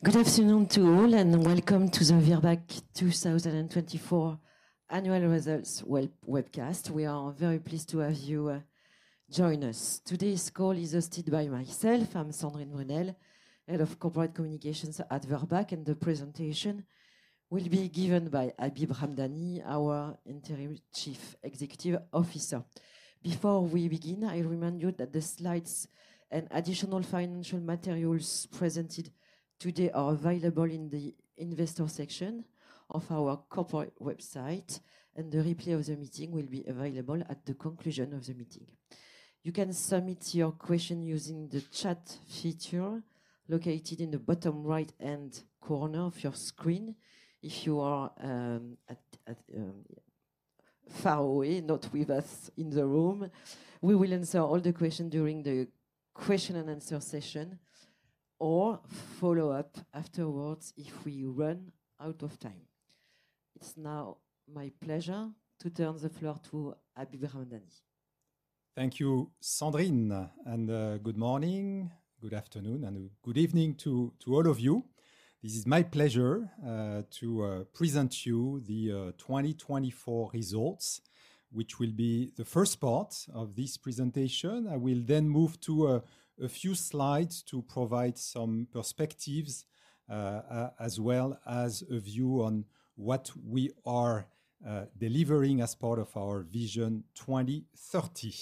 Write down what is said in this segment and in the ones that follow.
Good afternoon to all, and welcome to the Virbac 2024 annual results webcast. We are very pleased to have you join us. Today's call is hosted by myself. I'm Sandrine Brunel, Head of Corporate Communications at Virbac, and the presentation will be given by Habib Ramdani, our Interim Chief Executive Officer. Before we begin, I remind you that the slides and additional financial materials presented today are available in the Investor section of our corporate website, and the replay of the meeting will be available at the conclusion of the meeting. You can submit your question using the chat feature located in the bottom right-hand corner of your screen. If you are far away, not with us in the room, we will answer all the questions during the question-and-answer session or follow up afterwards if we run out of time. It's now my pleasure to turn the floor to Habib Ramdani. Thank you, Sandrine, and good morning, good afternoon, and good evening to all of you. This is my pleasure to present to you the 2024 results, which will be the first part of this presentation. I will then move to a few slides to provide some perspectives as well as a view on what we are delivering as part of our Vision 2030.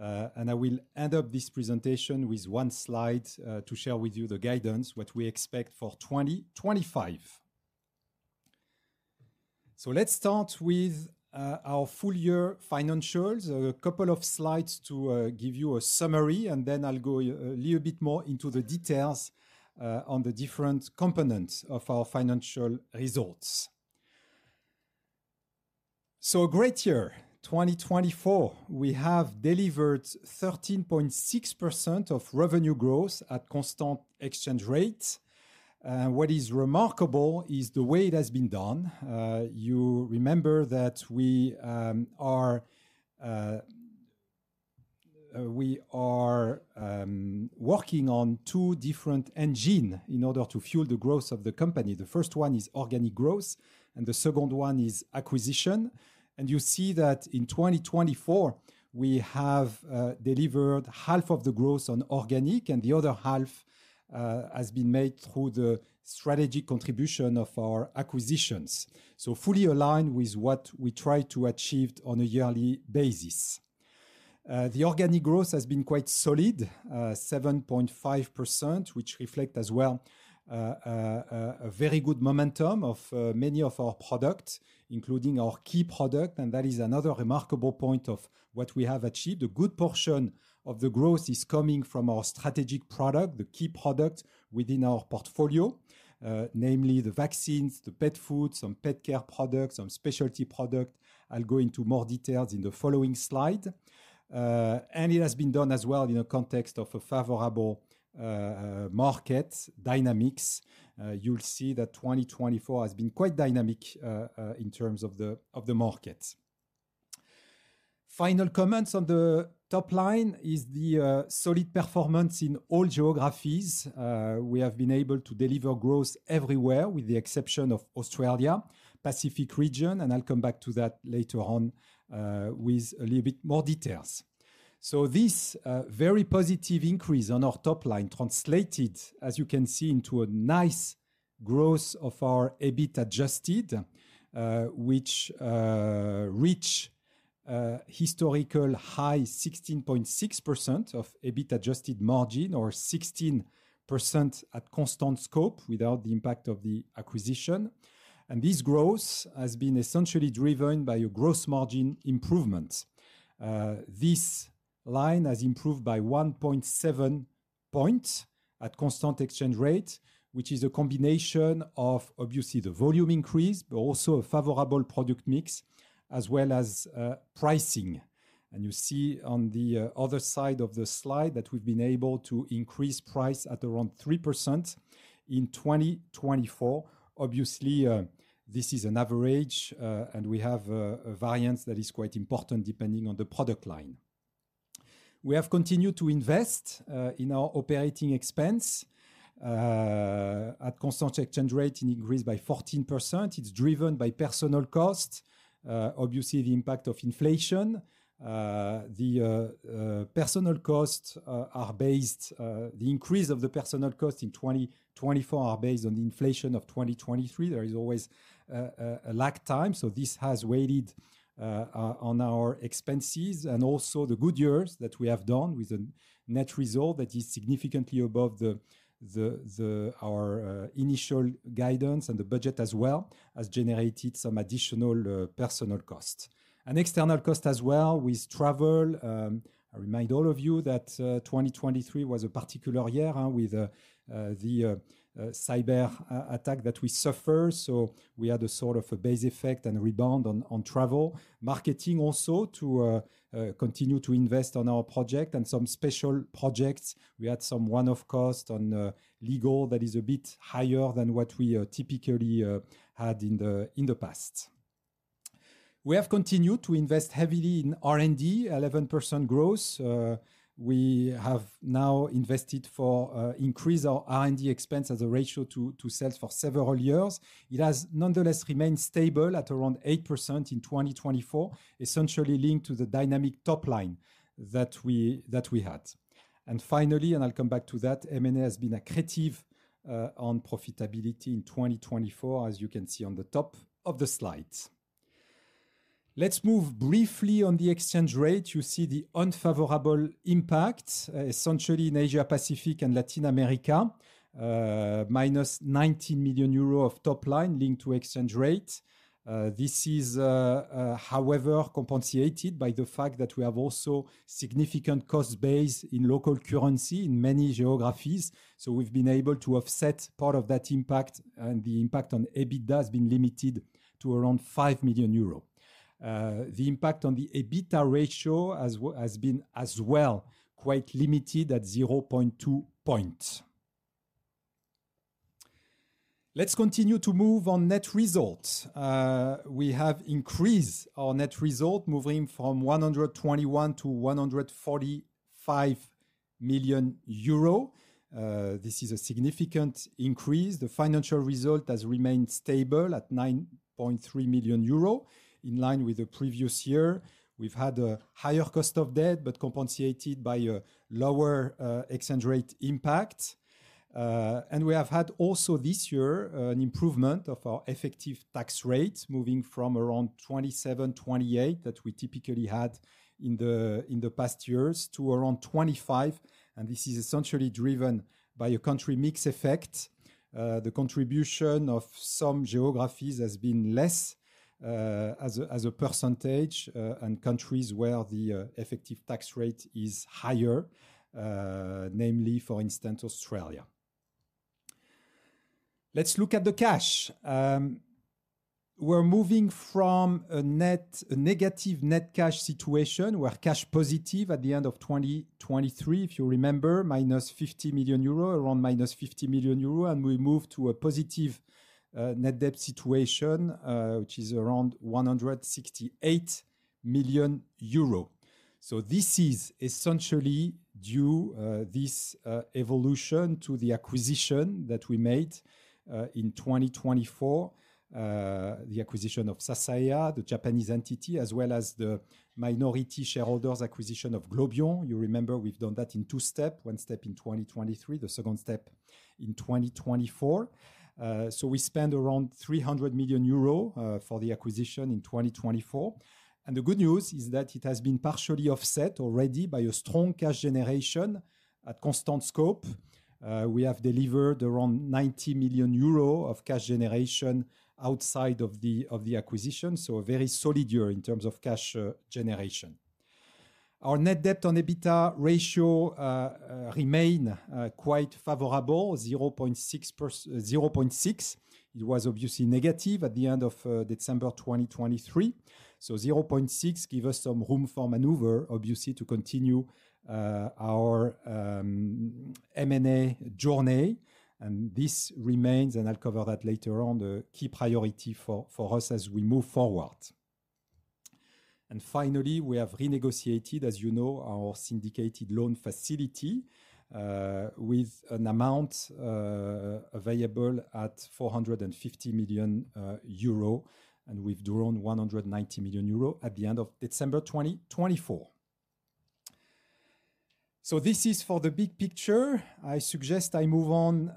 I will end up this presentation with one slide to share with you the guidance, what we expect for 2025. Let's start with our full year financials, a couple of slides to give you a summary, and then I'll go a little bit more into the details on the different components of our financial results. A great year, 2024. We have delivered 13.6% of revenue growth at constant exchange rates. What is remarkable is the way it has been done. You remember that we are working on two different engines in order to fuel the growth of the company. The first one is organic growth, and the second one is acquisition. You see that in 2024, we have delivered half of the growth on organic, and the other half has been made through the strategic contribution of our acquisitions. Fully aligned with what we try to achieve on a yearly basis. The organic growth has been quite solid, 7.5%, which reflects as well a very good momentum of many of our products, including our key product. That is another remarkable point of what we have achieved. A good portion of the growth is coming from our strategic product, the key product within our portfolio, namely the vaccines, the pet food, some pet care products, some specialty products. I'll go into more details in the following slide. It has been done as well in a context of a favorable market dynamics. You will see that 2024 has been quite dynamic in terms of the market. Final comments on the top line is the solid performance in all geographies. We have been able to deliver growth everywhere with the exception of Australia, Pacific region, and I will come back to that later on with a little bit more details. This very positive increase on our top line translated, as you can see, into a nice growth of our EBIT adjusted, which reached historical high, 16.6% of EBIT adjusted margin or 16% at constant scope without the impact of the acquisition. This growth has been essentially driven by a gross margin improvement. This line has improved by 1.7 percentage points at constant exchange rate, which is a combination of, obviously, the volume increase, but also a favorable product mix as well as pricing. You see on the other side of the slide that we've been able to increase price at around 3% in 2024. Obviously, this is an average, and we have a variance that is quite important depending on the product line. We have continued to invest in our operating expense. At constant exchange rate, it increased by 14%. It's driven by personnel cost, obviously the impact of inflation. The personnel costs are based, the increase of the personnel costs in 2024 are based on the inflation of 2023. There is always a lag time. This has weighted on our expenses and also the good years that we have done with a net result that is significantly above our initial guidance and the budget as well, has generated some additional personal costs. External costs as well with travel. I remind all of you that 2023 was a particular year with the cyber attack that we suffered. We had a sort of a base effect and rebound on travel. Marketing also to continue to invest on our project and some special projects. We had some runoff cost on legal that is a bit higher than what we typically had in the past. We have continued to invest heavily in R&D, 11% growth. We have now invested for increase our R&D expense as a ratio to sales for several years. It has nonetheless remained stable at around 8% in 2024, essentially linked to the dynamic top line that we had. Finally, and I'll come back to that, M&A has been accretive on profitability in 2024, as you can see on the top of the slide. Let's move briefly on the exchange rate. You see the unfavorable impact, essentially in Asia-Pacific and Latin America,-EUR 19 million of top line linked to exchange rate. This is, however, compensated by the fact that we have also significant cost base in local currency in many geographies. We have been able to offset part of that impact, and the impact on EBITDA has been limited to around 5 million euros. The impact on the EBITDA ratio has been as well quite limited at 0.2 points. Let's continue to move on net result. We have increased our net result, moving from 121 million to 145 million euro. This is a significant increase. The financial result has remained stable at 9.3 million euro, in line with the previous year. We've had a higher cost of debt, but compensated by a lower exchange rate impact. We have had also this year an improvement of our effective tax rate, moving from around 27%-28% that we typically had in the past years to around 25%. This is essentially driven by a country mix effect. The contribution of some geographies has been less as a percentage and countries where the effective tax rate is higher, namely, for instance, Australia. Let's look at the cash. We're moving from a negative net cash situation where cash positive at the end of 2023, if you remember, -50 million euro, around -50 million euro, and we moved to a positive net debt situation, which is around 168 million euro. This is essentially due to this evolution to the acquisition that we made in 2024, the acquisition of Sasaeah, the Japanese entity, as well as the minority shareholders' acquisition of Globion. You remember we've done that in two steps, one step in 2023, the second step in 2024. We spent around 300 million euro for the acquisition in 2024. The good news is that it has been partially offset already by a strong cash generation at constant scope. We have delivered around 90 million euro of cash generation outside of the acquisition. A very solid year in terms of cash generation. Our net debt on EBITDA ratio remained quite favorable, 0.6x. It was obviously negative at the end of December 2023. 0.6x gives us some room for maneuver, obviously, to continue our M&A journey. This remains, and I'll cover that later on, the key priority for us as we move forward. Finally, we have renegotiated, as you know, our syndicated loan facility with an amount available at 450 million euro and we've drawn 190 million euro at the end of December 2024. This is for the big picture. I suggest I move on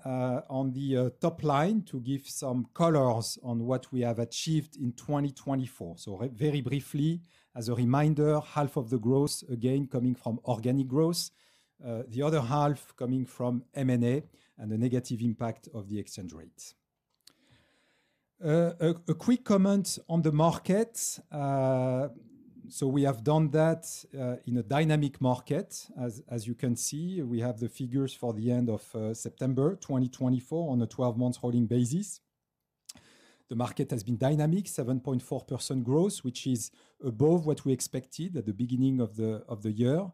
on the top line to give some colors on what we have achieved in 2024. Very briefly, as a reminder, half of the growth again coming from organic growth, the other half coming from M&A and the negative impact of the exchange rate. A quick comment on the market. We have done that in a dynamic market. As you can see, we have the figures for the end of September 2024 on a 12-month rolling basis. The market has been dynamic, 7.4% growth, which is above what we expected at the beginning of the year.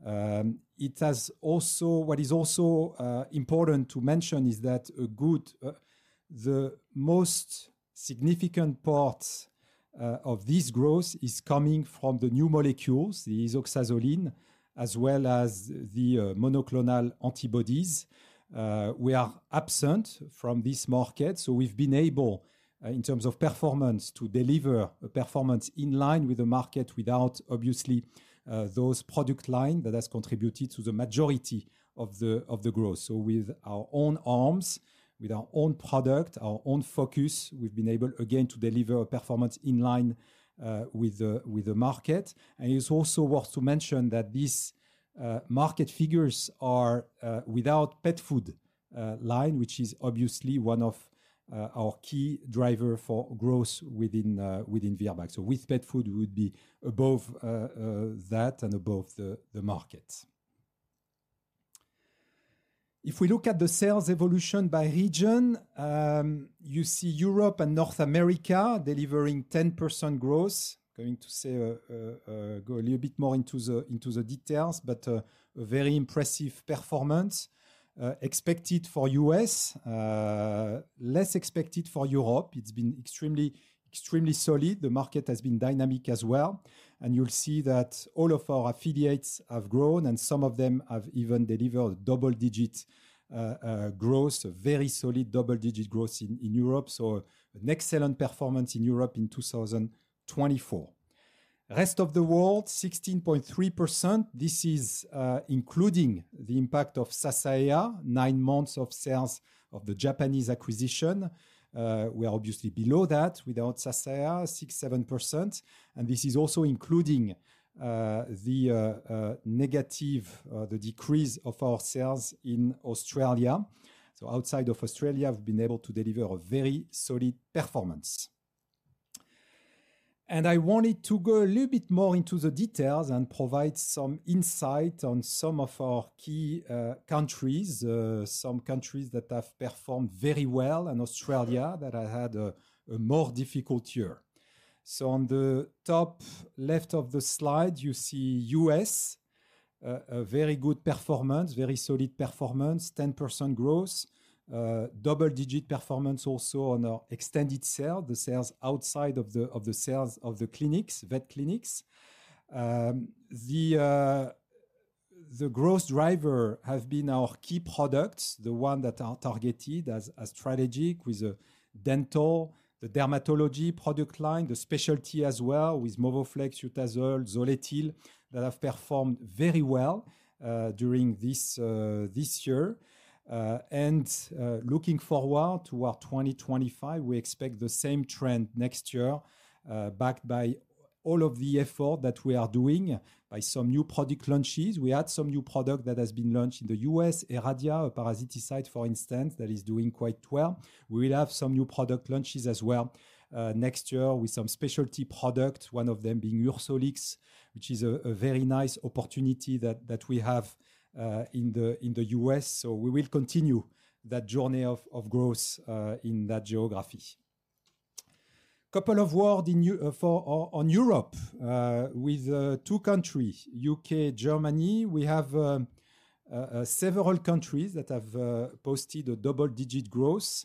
What is also important to mention is that the most significant part of this growth is coming from the new molecules, the isoxazoline, as well as the monoclonal antibodies. We are absent from this market. We have been able, in terms of performance, to deliver a performance in line with the market without, obviously, those product lines that have contributed to the majority of the growth. With our own arms, with our own product, our own focus, we have been able again to deliver a performance in line with the market. It's also worth to mention that these market figures are without pet food line, which is obviously one of our key drivers for growth within Virbac. With pet food, we would be above that and above the market. If we look at the sales evolution by region, you see Europe and North America delivering 10% growth. Going to say, go a little bit more into the details, but a very impressive performance expected for the U.S., less expected for Europe. It's been extremely solid. The market has been dynamic as well. You'll see that all of our affiliates have grown and some of them have even delivered double-digit growth, very solid double-digit growth in Europe. An excellent performance in Europe in 2024. Rest of the world, 16.3%. This is including the impact of Sasaeah, nine months of sales of the Japanese acquisition. We are obviously below that without Sasaeah, 6%-7%. This is also including the negative, the decrease of our sales in Australia. Outside of Australia, we've been able to deliver a very solid performance. I wanted to go a little bit more into the details and provide some insight on some of our key countries, some countries that have performed very well and Australia that had a more difficult year. On the top left of the slide, you see U.S., a very good performance, very solid performance, 10% growth, double-digit performance also on our extended sales, the sales outside of the sales of the clinics, vet clinics. The growth driver has been our key products, the ones that are targeted as strategic with the dental, the dermatology product line, the specialty as well with Movoflex, Utazol, Zoletil that have performed very well during this year. Looking forward to 2025, we expect the same trend next year, backed by all of the effort that we are doing by some new product launches. We had some new product that has been launched in the U.S., Eradia, a parasiticide, for instance, that is doing quite well. We will have some new product launches as well next year with some specialty products, one of them being Ursolix, which is a very nice opportunity that we have in the U.S. We will continue that journey of growth in that geography. A couple of words on Europe with two countries, U.K., Germany. We have several countries that have posted a double-digit growth.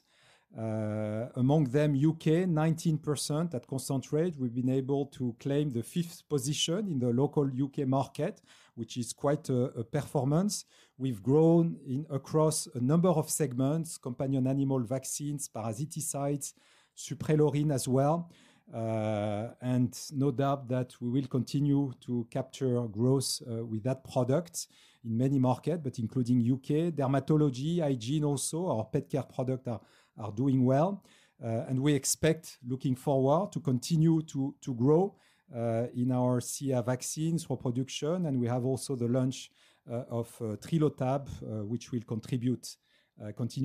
Among them, U.K., 19% at constant rate. We have been able to claim the fifth position in the local U.K. market, which is quite a performance. We've grown across a number of segments, companion animal vaccines, parasiticides, Suprelorin as well. No doubt that we will continue to capture growth with that product in many markets, including the U.K., dermatology, hygiene also, our pet care products are doing well. We expect, looking forward, to continue to grow in our CA vaccines for production. We have also the launch of Trilotab, which will continue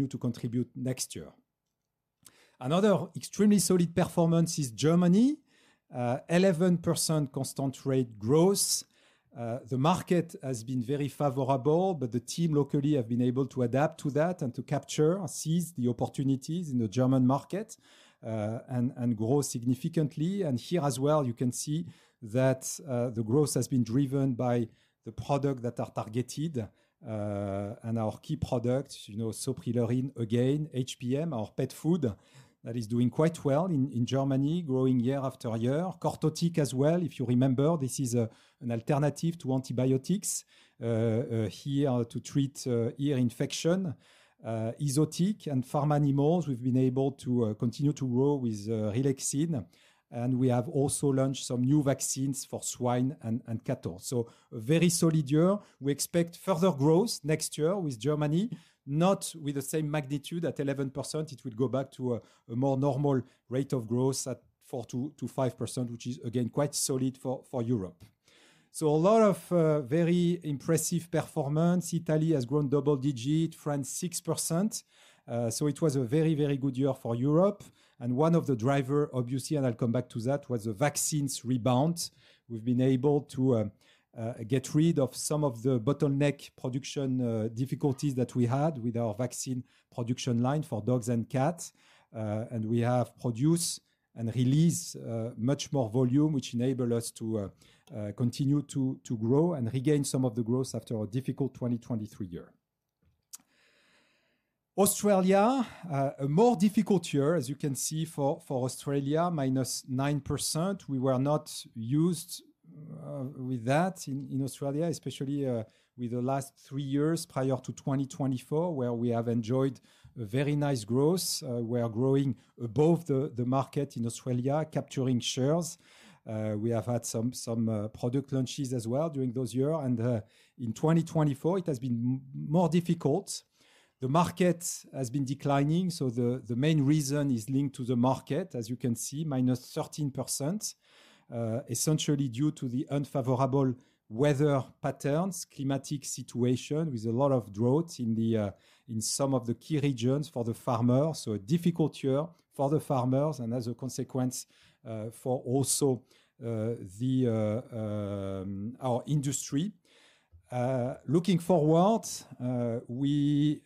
to contribute next year. Another extremely solid performance is Germany, 11% constant rate growth. The market has been very favorable, but the team locally has been able to adapt to that and to capture and seize the opportunities in the German market and grow significantly. Here as well, you can see that the growth has been driven by the products that are targeted and our key products, you know, Suprelorin again, HPM, our pet food that is doing quite well in Germany, growing year-after-year. Cortotic as well, if you remember, this is an alternative to antibiotics here to treat ear infection. Isotic and farm animals, we've been able to continue to grow with Rilexine. We have also launched some new vaccines for swine and cattle. A very solid year. We expect further growth next year with Germany, not with the same magnitude at 11%. It would go back to a more normal rate of growth at 4%-5%, which is again quite solid for Europe. A lot of very impressive performance. Italy has grown double-digit, France 6%. It was a very, very good year for Europe. One of the drivers, obviously, and I'll come back to that, was the vaccines rebound. We've been able to get rid of some of the bottleneck production difficulties that we had with our vaccine production line for dogs and cats. We have produced and released much more volume, which enabled us to continue to grow and regain some of the growth after a difficult 2023 year. Australia, a more difficult year, as you can see for Australia, -9%. We were not used to that in Australia, especially with the last three years prior to 2024, where we have enjoyed very nice growth. We are growing above the market in Australia, capturing shares. We have had some product launches as well during those years. In 2024, it has been more difficult. The market has been declining. The main reason is linked to the market, as you can see, -13%, essentially due to the unfavorable weather patterns, climatic situation with a lot of drought in some of the key regions for the farmers. A difficult year for the farmers and as a consequence for also our industry. Looking forward, we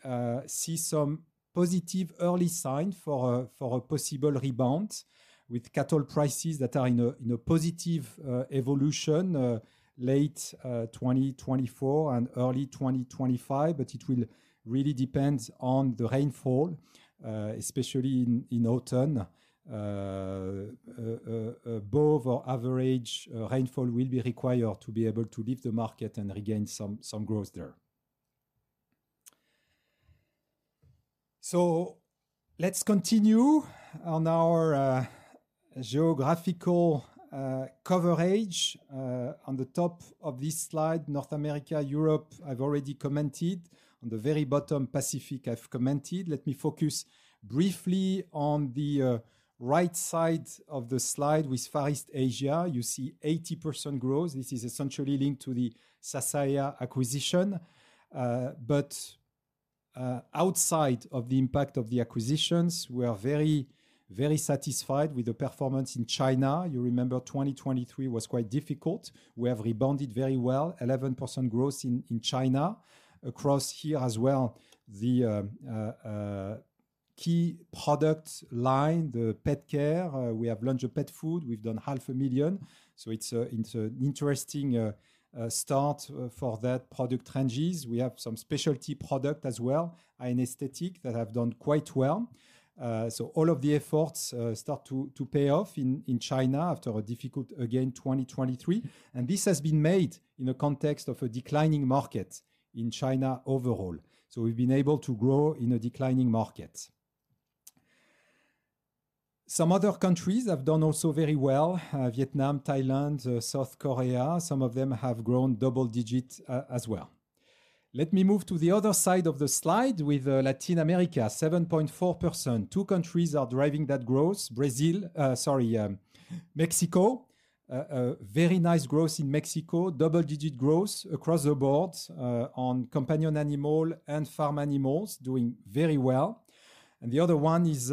see some positive early signs for a possible rebound with cattle prices that are in a positive evolution late 2024 and early 2025, but it will really depend on the rainfall, especially in autumn. Above our average rainfall will be required to be able to leave the market and regain some growth there. Let's continue on our geographical coverage. On the top of this slide, North America, Europe, I've already commented. On the very bottom, Pacific, I've commented. Let me focus briefly on the right side of the slide with Far East Asia. You see 80% growth. This is essentially linked to the Sasaeah acquisition. Outside of the impact of the acquisitions, we are very, very satisfied with the performance in China. You remember 2023 was quite difficult. We have rebounded very well, 11% growth in China. Across here as well, the key product line, the pet care, we have launched a pet food. We've done $500,000. It is an interesting start for that product ranges. We have some specialty products as well, high-end aesthetic that have done quite well. All of the efforts start to pay off in China after a difficult, again, 2023. This has been made in a context of a declining market in China overall. We have been able to grow in a declining market. Some other countries have done also very well, Vietnam, Thailand, South Korea. Some of them have grown double-digit as well. Let me move to the other side of the slide with Latin America, 7.4%. Two countries are driving that growth, Brazil, sorry, Mexico. Very nice growth in Mexico, double-digit growth across the board on companion animal and farm animals, doing very well. The other one is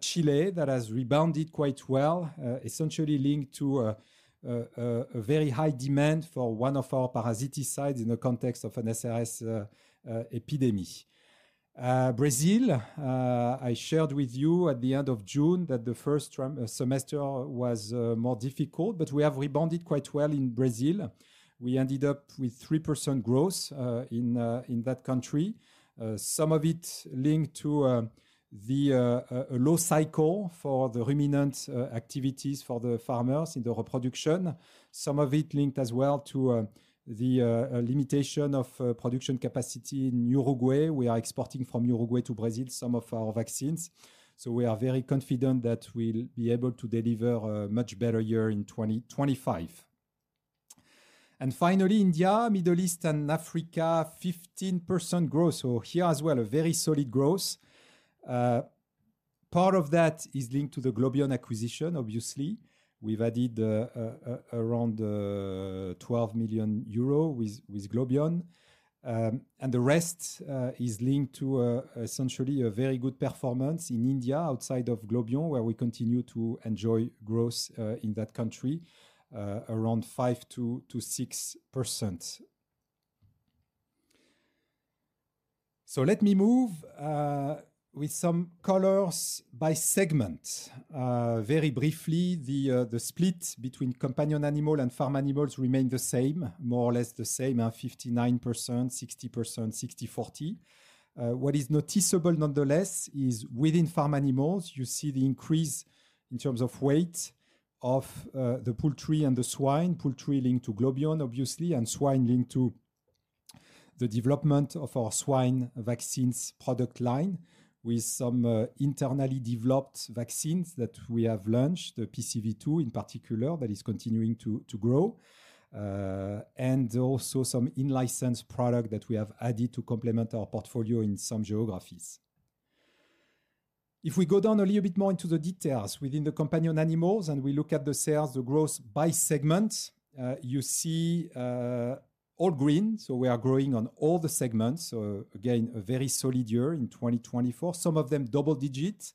Chile that has rebounded quite well, essentially linked to a very high demand for one of our parasiticides in the context of an SAS epidemic. Brazil, I shared with you at the end of June that the first semester was more difficult, but we have rebounded quite well in Brazil. We ended up with 3% growth in that country. Some of it linked to a low cycle for the ruminant activities for the farmers in the reproduction. Some of it linked as well to the limitation of production capacity in Uruguay. We are exporting from Uruguay to Brazil some of our vaccines. We are very confident that we'll be able to deliver a much better year in 2025. Finally, India, Middle East, and Africa, 15% growth. Here as well, a very solid growth. Part of that is linked to the Globion acquisition, obviously. We've added around 12 million euro with Globion. The rest is linked to essentially a very good performance in India outside of Globion, where we continue to enjoy growth in that country, around 5%-6%. Let me move with some colors by segment. Very briefly, the split between companion animal and farm animals remained the same, more or less the same, 59%, 60%, 60%, 40%. What is noticeable nonetheless is within farm animals, you see the increase in terms of weight of the poultry and the swine, poultry linked to Globion, obviously, and swine linked to the development of our swine vaccines product line with some internally developed vaccines that we have launched, the PCV2 in particular, that is continuing to grow. Also some in-license product that we have added to complement our portfolio in some geographies. If we go down a little bit more into the details within the companion animals and we look at the sales, the growth by segment, you see all green. We are growing on all the segments. Again, a very solid year in 2024. Some of them double-digit,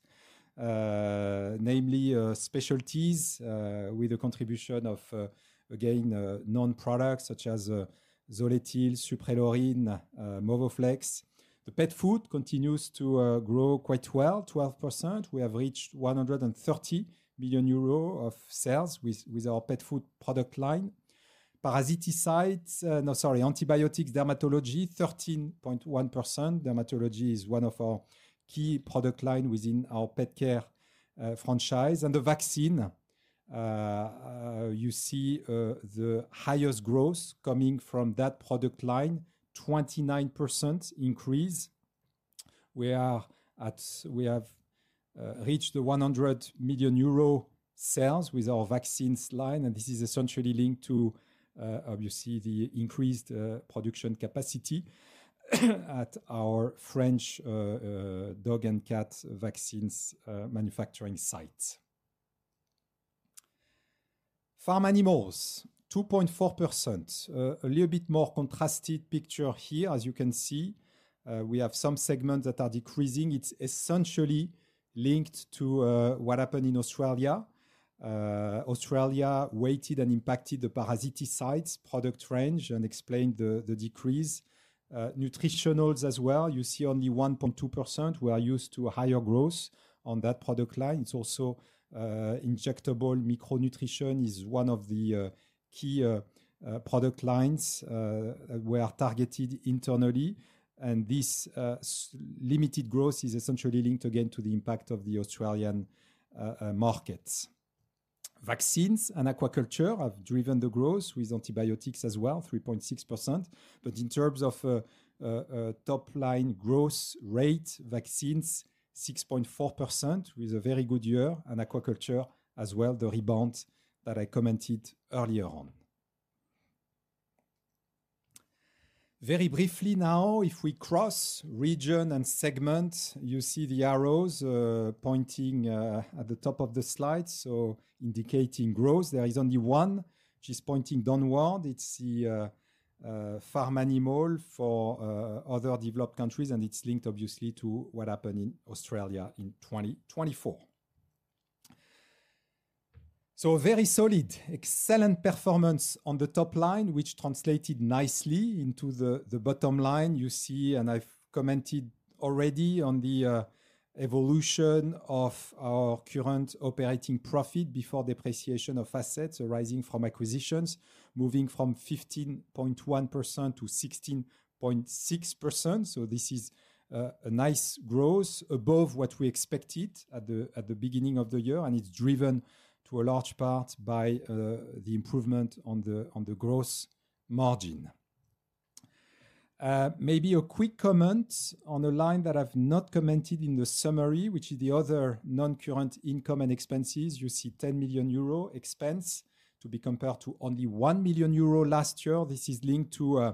namely specialties with a contribution of, again, non-products such as Zoletil, Suprelorin, Movoflex. The pet food continues to grow quite well, 12%. We have reached 130 million euro of sales with our pet food product line. Parasiticides, no, sorry, antibiotics, dermatology, 13.1%. Dermatology is one of our key product lines within our pet care franchise. The vaccine, you see the highest growth coming from that product line, 29% increase. We have reached the 100 million euro sales with our vaccines line. This is essentially linked to, obviously, the increased production capacity at our French dog and cat vaccines manufacturing sites. Farm animals, 2.4%. A little bit more contrasted picture here, as you can see. We have some segments that are decreasing. It is essentially linked to what happened in Australia. Australia weighted and impacted the parasiticides product range and explained the decrease. Nutritionals as well, you see only 1.2%. We are used to higher growth on that product line. It's also injectable micronutrition is one of the key product lines that we are targeted internally. This limited growth is essentially linked again to the impact of the Australian markets. Vaccines and aquaculture have driven the growth with antibiotics as well, 3.6%. In terms of top-line growth rate, vaccines, 6.4% with a very good year and aquaculture as well, the rebound that I commented earlier on. Very briefly now, if we cross region and segment, you see the arrows pointing at the top of the slide, indicating growth. There is only one which is pointing downward. It's the farm animal for other developed countries, and it's linked, obviously, to what happened in Australia in 2024. Very solid, excellent performance on the top line, which translated nicely into the bottom line. You see, and I've commented already on the evolution of our current operating profit before depreciation of assets arising from acquisitions, moving from 15.1% to 16.6%. This is a nice growth above what we expected at the beginning of the year. It is driven to a large part by the improvement on the gross margin. Maybe a quick comment on a line that I've not commented in the summary, which is the other non-current income and expenses. You see 10 million euro expense to be compared to only 1 million euro last year. This is linked to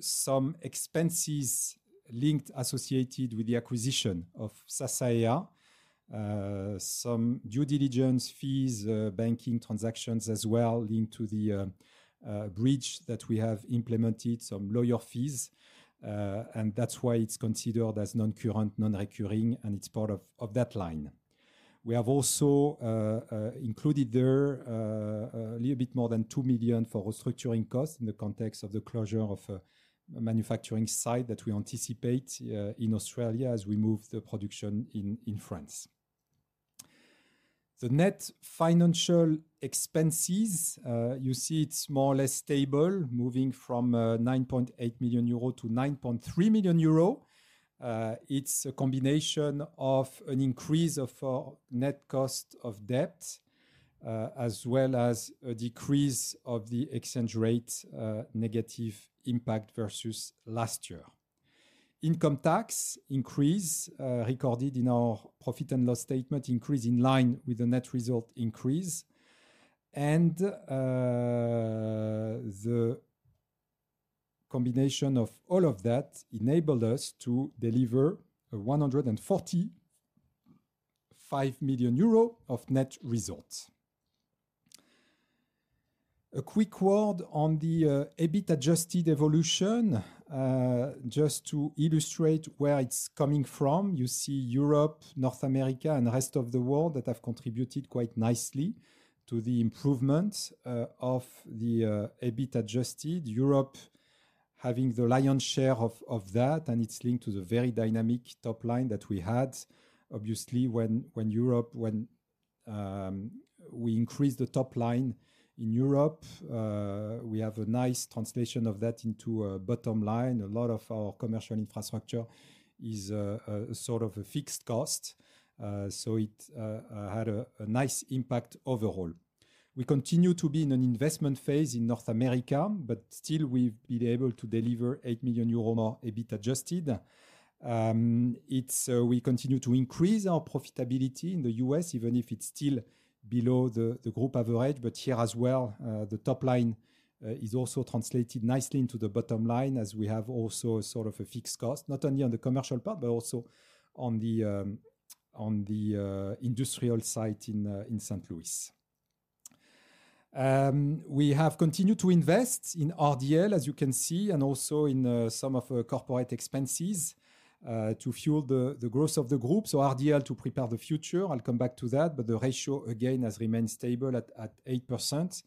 some expenses associated with the acquisition of Sasaeah. Some due diligence fees, banking transactions as well, linked to the bridge that we have implemented, some lawyer fees. That is why it is considered as non-current, non-recurring, and it is part of that line. We have also included there a little bit more than 2 million for restructuring costs in the context of the closure of a manufacturing site that we anticipate in Australia as we move the production in France. The net financial expenses, you see it's more or less stable, moving from 9.8 million euro to 9.3 million euro. It's a combination of an increase of net cost of debt, as well as a decrease of the exchange rate negative impact versus last year. Income tax increase recorded in our profit and loss statement, increase in line with the net result increase. The combination of all of that enabled us to deliver a 145 million euro of net result. A quick word on the EBIT adjusted evolution, just to illustrate where it's coming from. You see Europe, North America, and the rest of the world that have contributed quite nicely to the improvement of the EBIT adjusted. Europe having the lion's share of that, and it's linked to the very dynamic top line that we had. Obviously, when we increased the top line in Europe, we have a nice translation of that into a bottom line. A lot of our commercial infrastructure is sort of a fixed cost. It had a nice impact overall. We continue to be in an investment phase in North America, but still we've been able to deliver 8 million euro more EBIT adjusted. We continue to increase our profitability in the U.S., even if it's still below the group average. Here as well, the top line is also translated nicely into the bottom line as we have also sort of a fixed cost, not only on the commercial part, but also on the industrial site in St. Louis. We have continued to invest in R&D, as you can see, and also in some of the corporate expenses to fuel the growth of the group. R&D to prepare the future, I'll come back to that, but the ratio again has remained stable at 8%.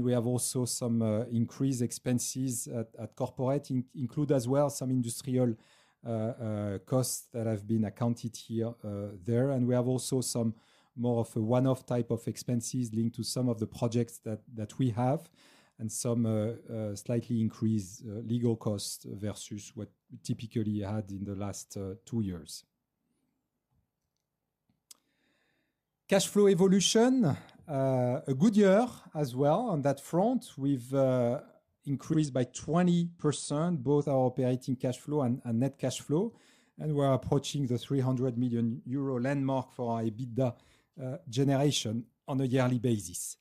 We have also some increased expenses at corporate, include as well some industrial costs that have been accounted here. We have also some more of a one-off type of expenses linked to some of the projects that we have and some slightly increased legal costs versus what we typically had in the last two years. Cash flow evolution, a good year as well on that front. We have increased by 20% both our operating cash flow and net cash flow. We are approaching the 300 million euro landmark for our EBITDA generation on a yearly basis.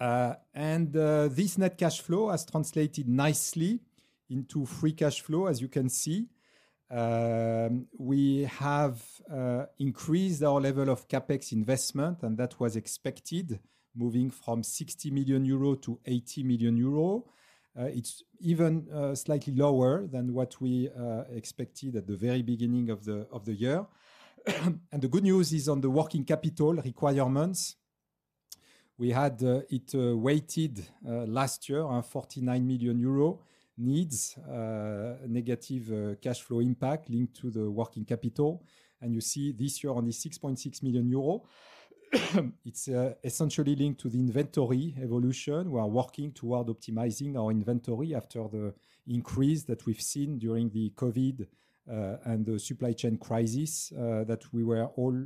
This net cash flow has translated nicely into free cash flow, as you can see. We have increased our level of CapEx investment, and that was expected, moving from 60 million euro to 80 million euro. It is even slightly lower than what we expected at the very beginning of the year. The good news is on the working capital requirements. We had it weighted last year, 49 million euro needs negative cash flow impact linked to the working capital. You see this year only 6.6 million euro. It is essentially linked to the inventory evolution. We are working toward optimizing our inventory after the increase that we've seen during the COVID and the supply chain crisis that we were all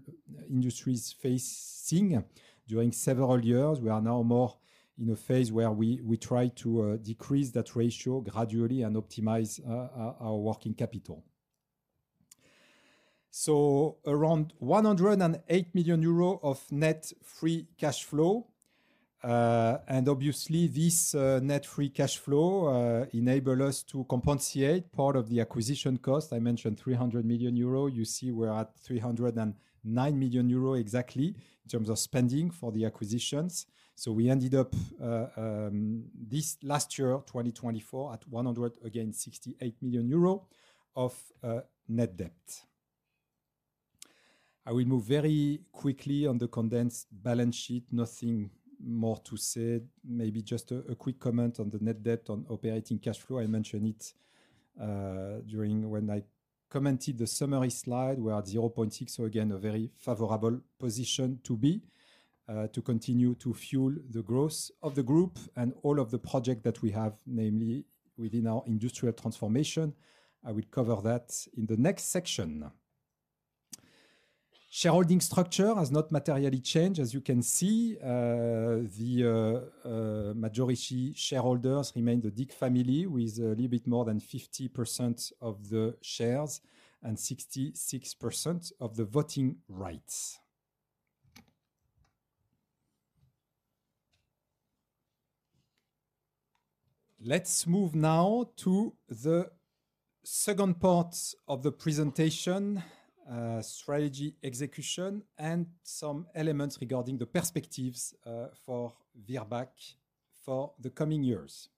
industries facing during several years. We are now more in a phase where we try to decrease that ratio gradually and optimize our working capital. Around 108 million euro of net free cash flow. Obviously, this net free cash flow enables us to compensate part of the acquisition cost. I mentioned 300 million euro. You see we're at 309 million euro exactly in terms of spending for the acquisitions. We ended up this last year, 2024, at 168 million euro of net debt. I will move very quickly on the condensed balance sheet. Nothing more to say. Maybe just a quick comment on the net debt on operating cash flow. I mentioned it during when I commented the summary slide. We're at 0.6x, so again, a very favorable position to be to continue to fuel the growth of the group and all of the projects that we have, namely within our industrial transformation. I will cover that in the next section. Shareholding structure has not materially changed. As you can see, the majority shareholders remain the Dick family with a little bit more than 50% of the shares and 66% of the voting rights. Let's move now to the second part of the presentation, strategy execution, and some elements regarding the perspectives for Virbac for the coming years.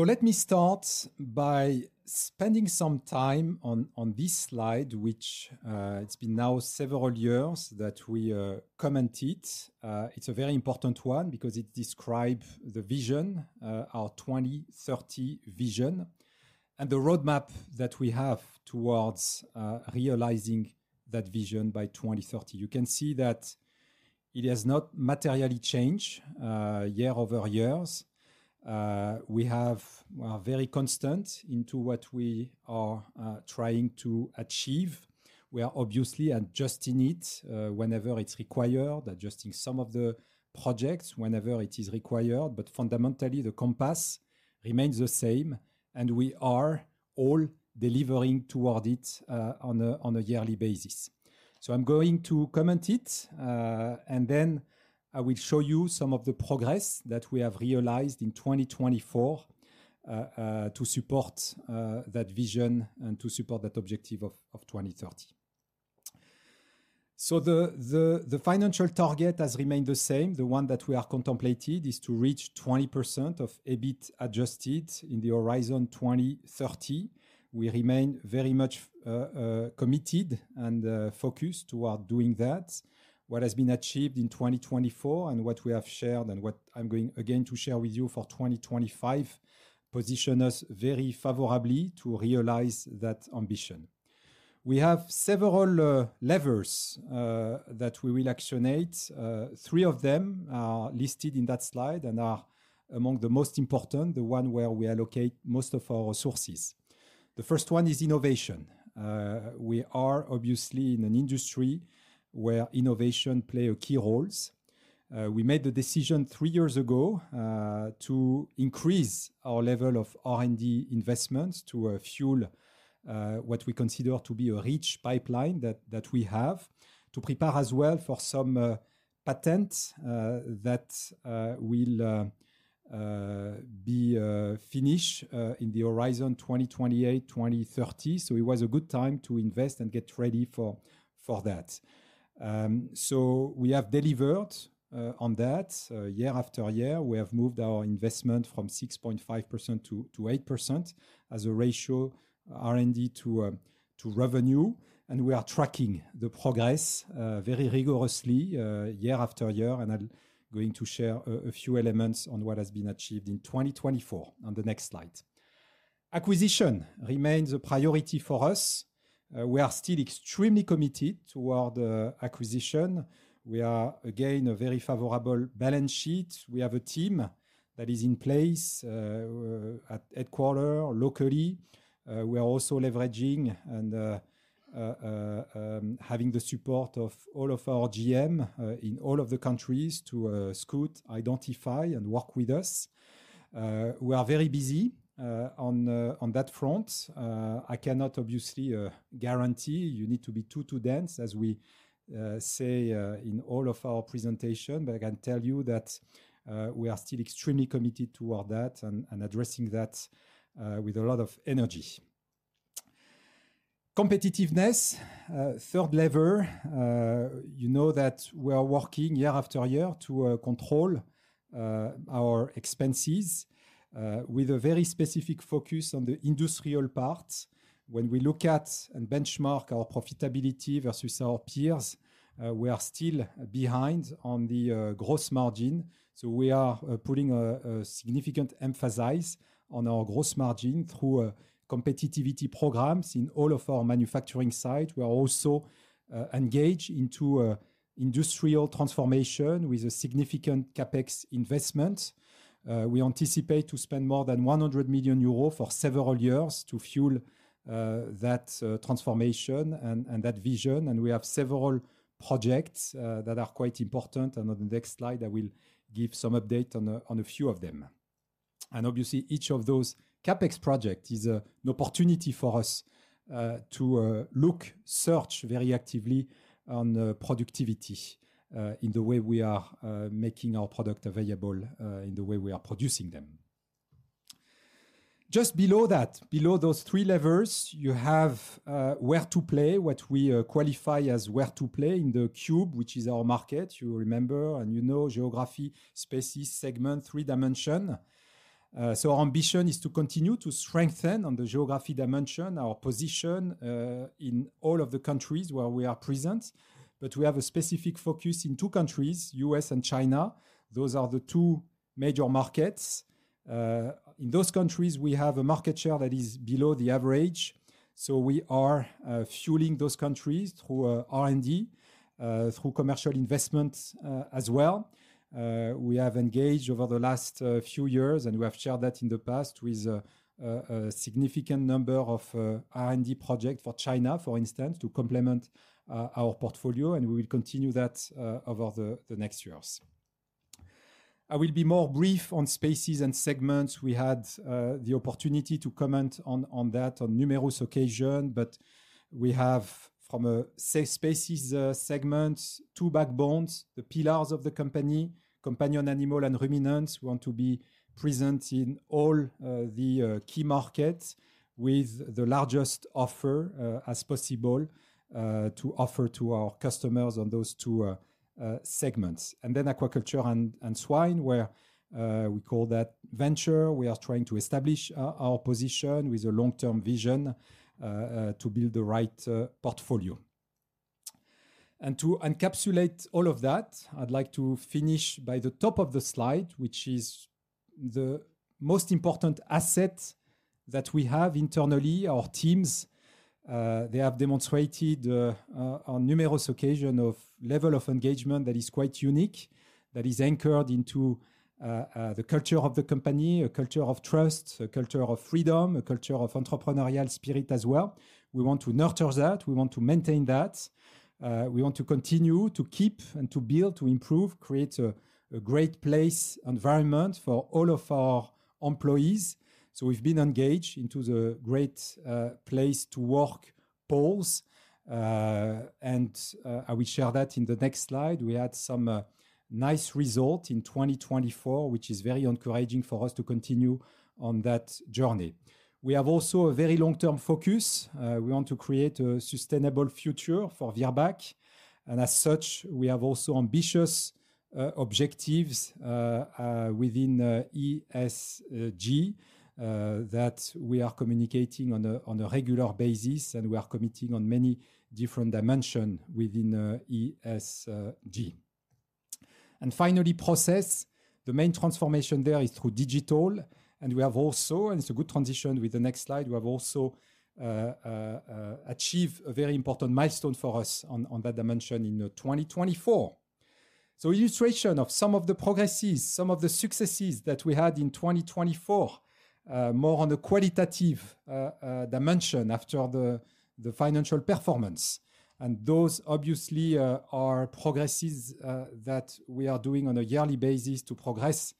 Let me start by spending some time on this slide, which it's been now several years that we commented. It's a very important one because it describes the vision, our 2030 vision, and the roadmap that we have towards realizing that vision by 2030. You can see that it has not materially changed year over years. We are very constant into what we are trying to achieve. We are obviously adjusting it whenever it's required, adjusting some of the projects whenever it is required. Fundamentally, the compass remains the same, and we are all delivering toward it on a yearly basis. I am going to comment it, and then I will show you some of the progress that we have realized in 2024 to support that vision and to support that objective of 2030. The financial target has remained the same. The one that we are contemplating is to reach 20% of EBIT adjusted in the horizon 2030. We remain very much committed and focused toward doing that. What has been achieved in 2024 and what we have shared and what I'm going again to share with you for 2025 positions us very favorably to realize that ambition. We have several levers that we will actionate. Three of them are listed in that slide and are among the most important, the one where we allocate most of our resources. The first one is innovation. We are obviously in an industry where innovation plays key roles. We made the decision three years ago to increase our level of R&D investments to fuel what we consider to be a rich pipeline that we have, to prepare as well for some patents that will be finished in the horizon 2028-2030. It was a good time to invest and get ready for that. We have delivered on that year-after-year. We have moved our investment from 6.5% to 8% as a ratio R&D to revenue. We are tracking the progress very rigorously year-after-year. I am going to share a few elements on what has been achieved in 2024 on the next slide. Acquisition remains a priority for us. We are still extremely committed toward acquisition. We are again a very favorable balance sheet. We have a team that is in place at headquarters locally. We are also leveraging and having the support of all of our GM in all of the countries to scout, identify, and work with us. We are very busy on that front. I cannot obviously guarantee you need to be too, too dense as we say in all of our presentation, but I can tell you that we are still extremely committed toward that and addressing that with a lot of energy. Competitiveness, third lever, you know that we are working year-after-year to control our expenses with a very specific focus on the industrial part. When we look at and benchmark our profitability versus our peers, we are still behind on the gross margin. We are putting a significant emphasis on our gross margin through competitivity programs in all of our manufacturing sites. We are also engaged into industrial transformation with a significant CapEx investment. We anticipate to spend more than 100 million euro for several years to fuel that transformation and that vision. We have several projects that are quite important. On the next slide, I will give some updates on a few of them. Each of those CapEx projects is an opportunity for us to look, search very actively on productivity in the way we are making our product available, in the way we are producing them. Just below that, below those three levers, you have where to play, what we qualify as where to play in the cube, which is our market, you remember, and you know geography, spaces, segment, three dimensions. Our ambition is to continue to strengthen on the geography dimension, our position in all of the countries where we are present. We have a specific focus in two countries, U.S. and China. Those are the two major markets. In those countries, we have a market share that is below the average. We are fueling those countries through R&D, through commercial investments as well. We have engaged over the last few years, and we have shared that in the past with a significant number of R&D projects for China, for instance, to complement our portfolio. We will continue that over the next years. I will be more brief on spaces and segments. We had the opportunity to comment on that on numerous occasions, but we have from a spaces segment, two backbones, the pillars of the company, companion animal and ruminants want to be present in all the key markets with the largest offer as possible to offer to our customers on those two segments. Aquaculture and swine, where we call that venture. We are trying to establish our position with a long-term vision to build the right portfolio. To encapsulate all of that, I'd like to finish by the top of the slide, which is the most important asset that we have internally. Our teams, they have demonstrated on numerous occasions a level of engagement that is quite unique, that is anchored into the culture of the company, a culture of trust, a culture of freedom, a culture of entrepreneurial spirit as well. We want to nurture that. We want to maintain that. We want to continue to keep and to build, to improve, create a great place environment for all of our employees. We have been engaged into the great place to work polls. I will share that in the next slide. We had some nice results in 2024, which is very encouraging for us to continue on that journey. We have also a very long-term focus. We want to create a sustainable future for Virbac. As such, we have also ambitious objectives within ESG that we are communicating on a regular basis, and we are committing on many different dimensions within ESG. Finally, process, the main transformation there is through digital. We have also, and it's a good transition with the next slide, achieved a very important milestone for us on that dimension in 2024. Illustration of some of the progresses, some of the successes that we had in 2024, more on the qualitative dimension after the financial performance. Those obviously are progresses that we are doing on a yearly basis to progress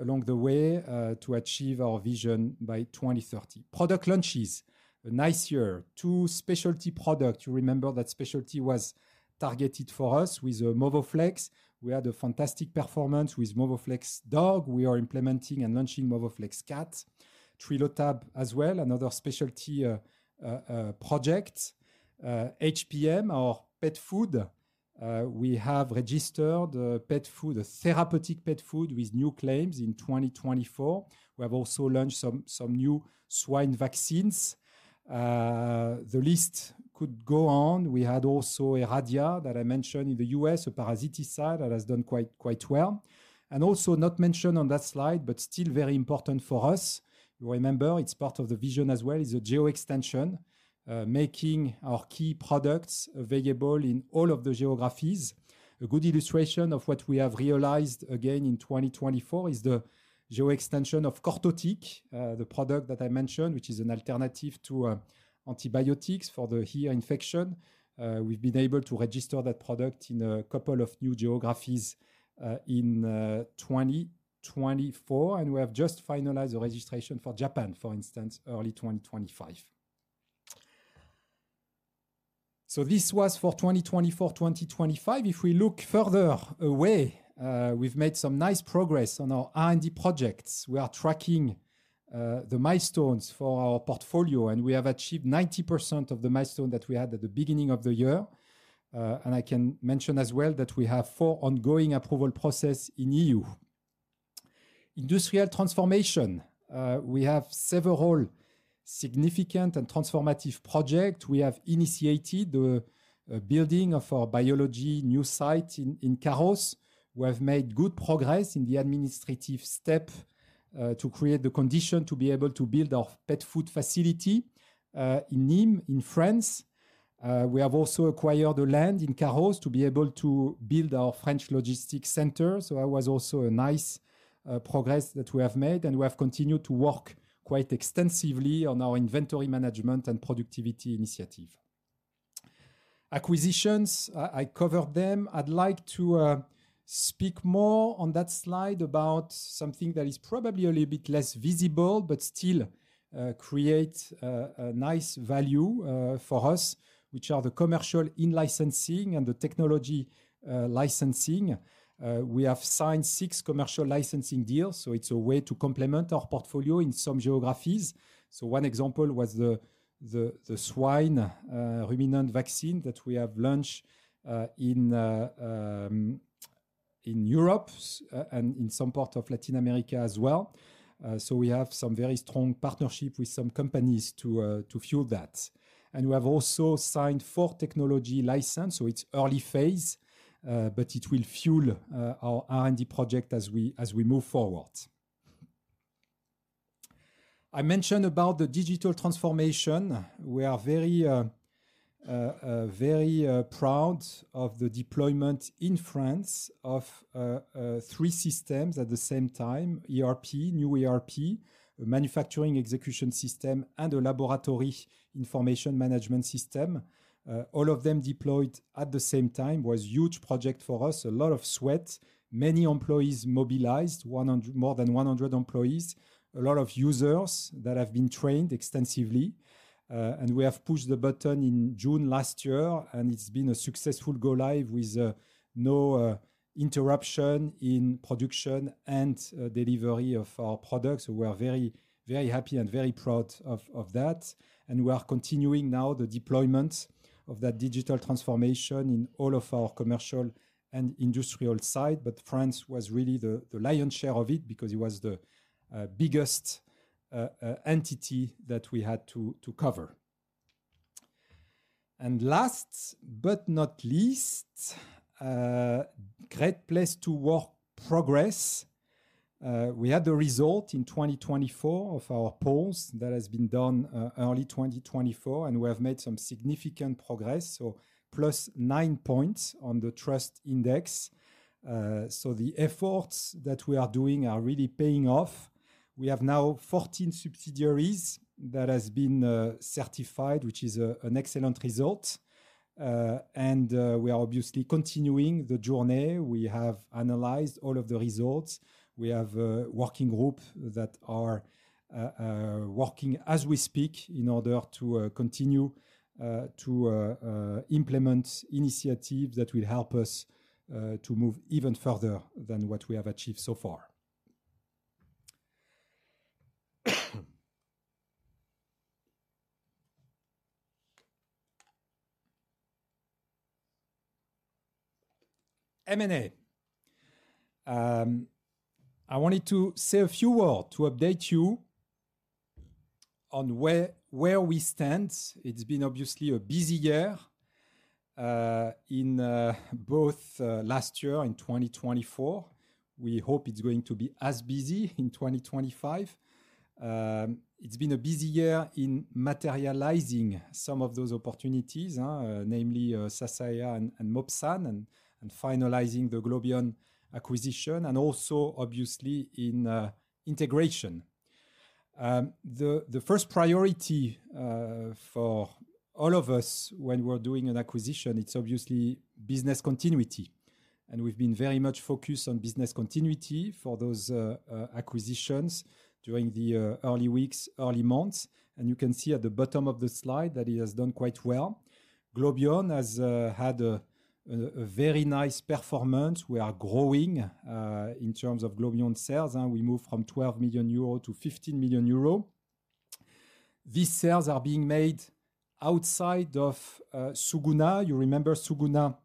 along the way to achieve our vision by 2030. Product launches, a nice year, two specialty products. You remember that specialty was targeted for us with Movoflex. We had a fantastic performance with Movoflex Dog. We are implementing and launching Movoflex Cat, Trilotab as well, another specialty project. HPM, our pet food. We have registered pet food, therapeutic pet food with new claims in 2024. We have also launched some new swine vaccines. The list could go on. We had also Eradia that I mentioned in the U.S., a parasiticide that has done quite well. Also not mentioned on that slide, but still very important for us. You remember it's part of the vision as well is a geo extension, making our key products available in all of the geographies. A good illustration of what we have realized again in 2024 is the geo extension of Cortotic, the product that I mentioned, which is an alternative to antibiotics for the ear infection. We've been able to register that product in a couple of new geographies in 2024. We have just finalized the registration for Japan, for instance, early 2025. This was for 2024-2025. If we look further away, we've made some nice progress on our R&D projects. We are tracking the milestones for our portfolio, and we have achieved 90% of the milestone that we had at the beginning of the year. I can mention as well that we have four ongoing approval processes in EU. Industrial transformation, we have several significant and transformative projects. We have initiated the building of our biology new site in Carros. We have made good progress in the administrative step to create the condition to be able to build our pet food facility in Nîmes, in France. We have also acquired the land in Carros to be able to build our French logistics center. That was also a nice progress that we have made. We have continued to work quite extensively on our inventory management and productivity initiative. Acquisitions, I covered them. I would like to speak more on that slide about something that is probably a little bit less visible, but still creates a nice value for us, which are the commercial in-licensing and the technology licensing. We have signed six commercial licensing deals. It is a way to complement our portfolio in some geographies. One example was the swine ruminant vaccine that we have launched in Europe and in some parts of Latin America as well. We have some very strong partnership with some companies to fuel that. We have also signed four technology licenses. It is early phase, but it will fuel our R&D project as we move forward. I mentioned about the digital transformation. We are very proud of the deployment in France of three systems at the same time: ERP, new ERP, a manufacturing execution system, and a laboratory information management system. All of them deployed at the same time was a huge project for us, a lot of sweat, many employees mobilized, more than 100 employees, a lot of users that have been trained extensively. We have pushed the button in June last year, and it's been a successful go-live with no interruption in production and delivery of our products. We are very, very happy and very proud of that. We are continuing now the deployment of that digital transformation in all of our commercial and industrial side. France was really the lion's share of it because it was the biggest entity that we had to cover. Last but not least, great place to work progress. We had the result in 2024 of our polls that has been done early 2024, and we have made some significant progress, +9 points on the trust index. The efforts that we are doing are really paying off. We have now 14 subsidiaries that have been certified, which is an excellent result. We are obviously continuing the journey. We have analyzed all of the results. We have a working group that are working as we speak in order to continue to implement initiatives that will help us to move even further than what we have achieved so far. M&A. I wanted to say a few words to update you on where we stand. It's been obviously a busy year in both last year in 2024. We hope it's going to be as busy in 2025. It's been a busy year in materializing some of those opportunities, namely Sasaeah and Mopsan, and finalizing the Globion acquisition, and also obviously in integration. The first priority for all of us when we're doing an acquisition, it's obviously business continuity. We've been very much focused on business continuity for those acquisitions during the early weeks, early months. You can see at the bottom of the slide that it has done quite well. Globion has had a very nice performance. We are growing in terms of Globion sales. We moved from 12 million euro to 15 million euro. These sales are being made outside of Suguna. You remember Suguna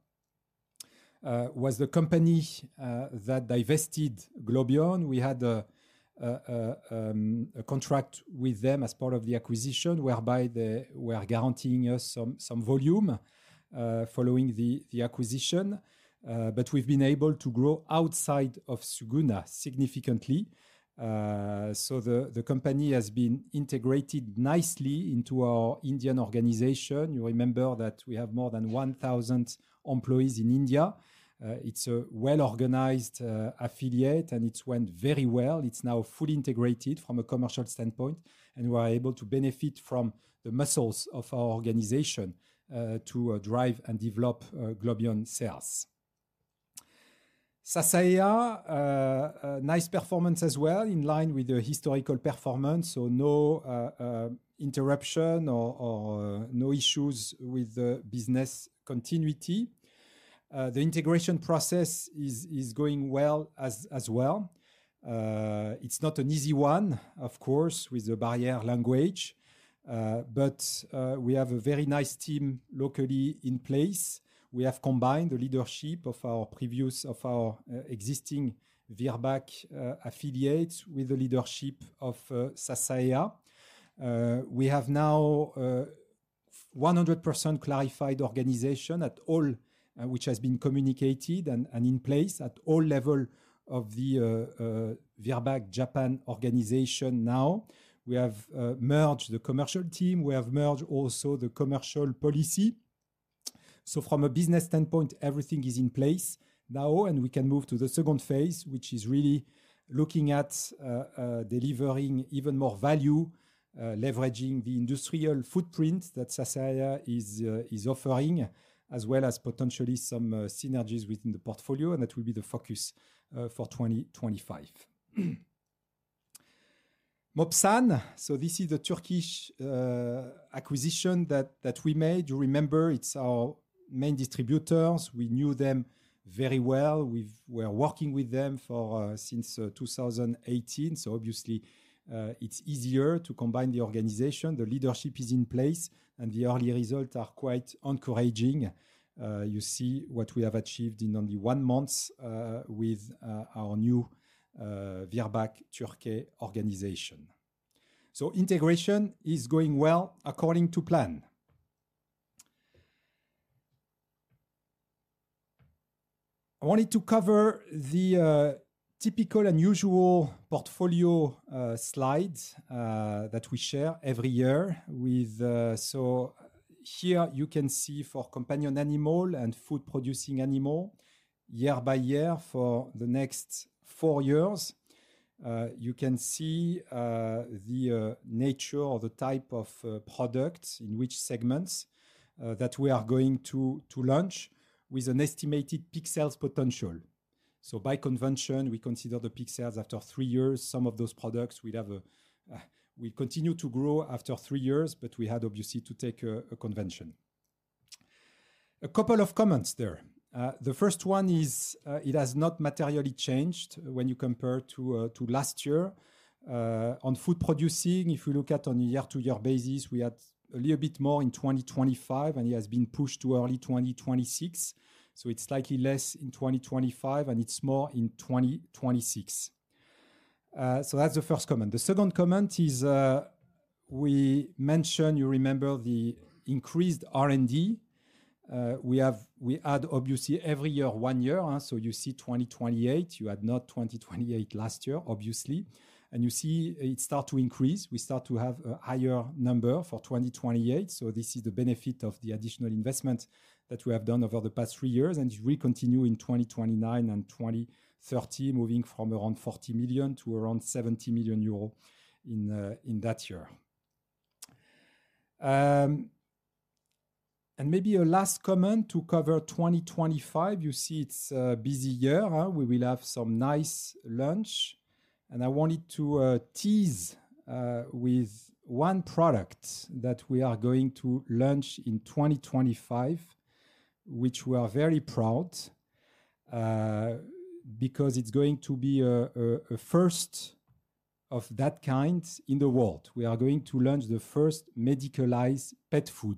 was the company that divested Globion. We had a contract with them as part of the acquisition whereby they were guaranteeing us some volume following the acquisition. We've been able to grow outside of Suguna significantly. The company has been integrated nicely into our Indian organization. You remember that we have more than 1,000 employees in India. It's a well-organized affiliate, and it went very well. It's now fully integrated from a commercial standpoint, and we are able to benefit from the muscles of our organization to drive and develop Globion sales. Sasaeah, nice performance as well in line with the historical performance. No interruption or no issues with the business continuity. The integration process is going well as well. It's not an easy one, of course, with the language barrier. We have a very nice team locally in place. We have combined the leadership of our existing Virbac affiliates with the leadership of Sasaeah. We have now a 100% clarified organization, which has been communicated and in place at all levels of the Virbac Japan organization now. We have merged the commercial team. We have merged also the commercial policy. From a business standpoint, everything is in place now, and we can move to the second phase, which is really looking at delivering even more value, leveraging the industrial footprint that Sasaeah is offering, as well as potentially some synergies within the portfolio, and that will be the focus for 2025. Mopsan, this is the Turkish acquisition that we made. You remember it's our main distributors. We knew them very well. We were working with them since 2018. Obviously, it's easier to combine the organization. The leadership is in place, and the early results are quite encouraging. You see what we have achieved in only one month with our new Virbac Turkey organization. Integration is going well according to plan. I wanted to cover the typical and usual portfolio slides that we share every year. Here you can see for companion animal and food-producing animal year by year for the next four years. You can see the nature of the type of products in which segments that we are going to launch with an estimated pixels potential. By convention, we consider the pixels after three years. Some of those products will continue to grow after three years, but we had obviously to take a convention. A couple of comments there. The first one is it has not materially changed when you compare to last year. On food producing, if we look at on a year-to-year basis, we had a little bit more in 2025, and it has been pushed to early 2026. It is slightly less in 2025, and it is more in 2026. That is the first comment. The second comment is we mentioned, you remember the increased R&D. We add obviously every year one year. You see 2028, you had not 2028 last year, obviously. You see it starts to increase. We start to have a higher number for 2028. This is the benefit of the additional investment that we have done over the past three years. It will continue in 2029 and 2030, moving from around 40 million to around 70 million euros in that year. Maybe a last comment to cover 2025. You see it's a busy year. We will have some nice launch. I wanted to tease with one product that we are going to launch in 2025, which we are very proud because it's going to be a first of that kind in the world. We are going to launch the first medicalized pet food,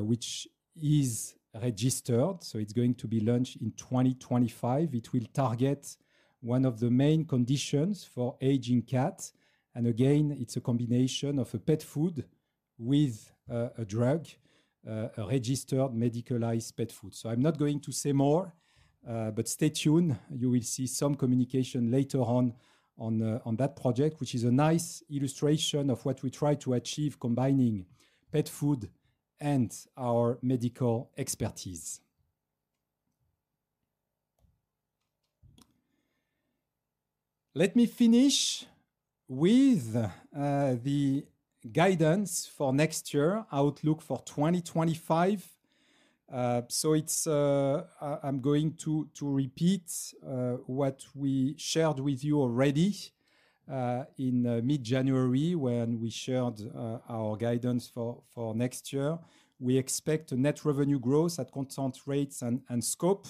which is registered. It is going to be launched in 2025. It will target one of the main conditions for aging cats. Again, it is a combination of a pet food with a drug, a registered medicalized pet food. I am not going to say more, but stay tuned. You will see some communication later on on that project, which is a nice illustration of what we try to achieve combining pet food and our medical expertise. Let me finish with the guidance for next year, outlook for 2025. I am going to repeat what we shared with you already in mid-January when we shared our guidance for next year. We expect a net revenue growth at constant rates and scope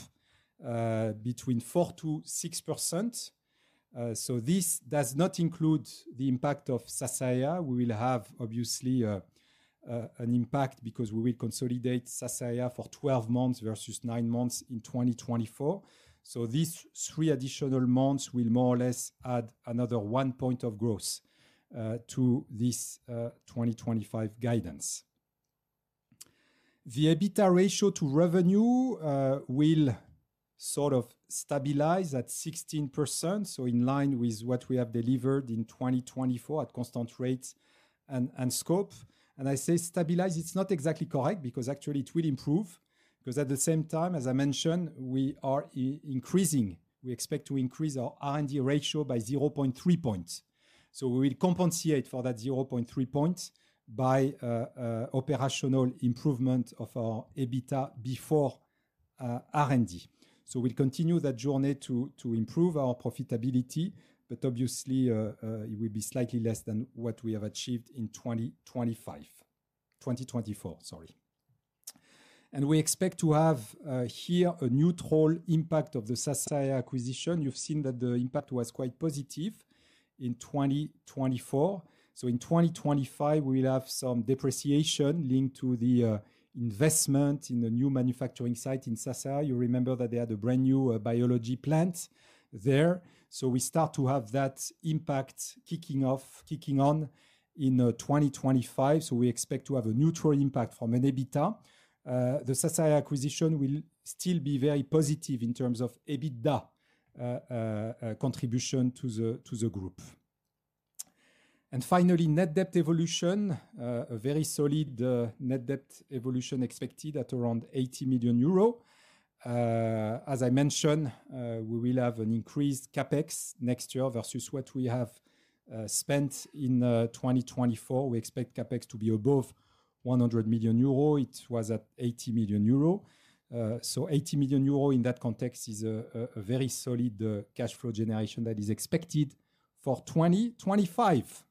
between 4%-6%. This does not include the impact of Sasaeah. We will have obviously an impact because we will consolidate Sasaeah for 12 months versus 9 months in 2024. These three additional months will more or less add another 1 point of growth to this 2025 guidance. The EBITDA ratio to revenue will sort of stabilize at 16%, in line with what we have delivered in 2024 at constant rates and scope. I say stabilize, it's not exactly correct because actually it will improve. At the same time, as I mentioned, we are increasing. We expect to increase our R&D ratio by 0.3 points. We will compensate for that 0.3 points by operational improvement of our EBITDA before R&D. We will continue that journey to improve our profitability, but obviously it will be slightly less than what we have achieved in 2024. We expect to have here a neutral impact of the Sasaeah acquisition. You've seen that the impact was quite positive in 2024. In 2025, we will have some depreciation linked to the investment in the new manufacturing site in Sasaeah. You remember that they had a brand new biology plant there. We start to have that impact kicking on in 2025. We expect to have a neutral impact from an EBITDA. The Sasaeah acquisition will still be very positive in terms of EBITDA contribution to the group. Finally, net debt evolution, a very solid net debt evolution expected at around 80 million euro. As I mentioned, we will have an increased CapEx next year versus what we have spent in 2024. We expect CapEx to be above 100 million euro. It was at 80 million euro. 80 million euro in that context is a very solid cash flow generation that is expected for 2025.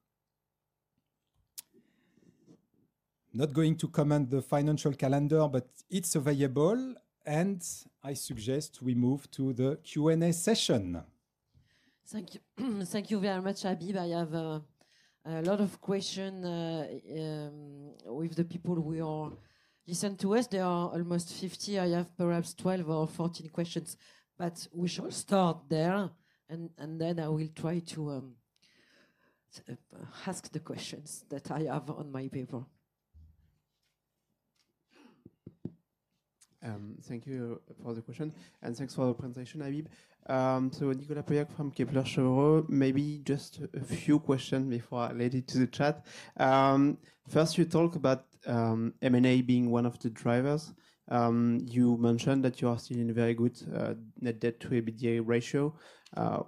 Not going to comment on the financial calendar, but it's available. I suggest we move to the Q&A session. Thank you very much, Habib. I have a lot of questions with the people who are listening to us. There are almost 50. I have perhaps 12 or 14 questions, but we shall start there. I will try to ask the questions that I have on my paper. Thank you for the question. Thanks for the presentation, Habib. Nicolas Pauillac from Kepler Cheuvreux, maybe just a few questions before I let it to the chat. First, you talk about M&A being one of the drivers. You mentioned that you are still in a very good net debt to EBITDA ratio.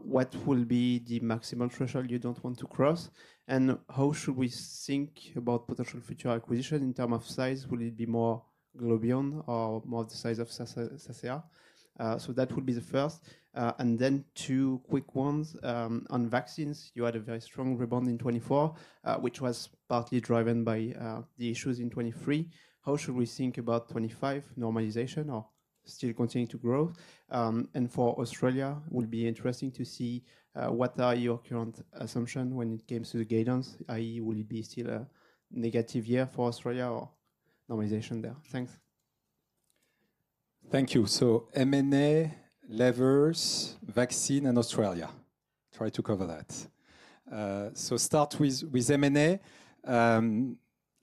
What will be the maximum threshold you don't want to cross? How should we think about potential future acquisition in terms of size? Will it be more Globion or more the size of Sasaeah? That would be the first. Then two quick ones on vaccines. You had a very strong rebound in 2024, which was partly driven by the issues in 2023. How should we think about 2025 normalization or still continuing to grow? For Australia, it will be interesting to see what are your current assumptions when it comes to the guidance. I.e., will it be still a negative year for Australia or normalization there? Thanks. Thank you. M&A, levers, vaccine, and Australia. Try to cover that. Start with M&A.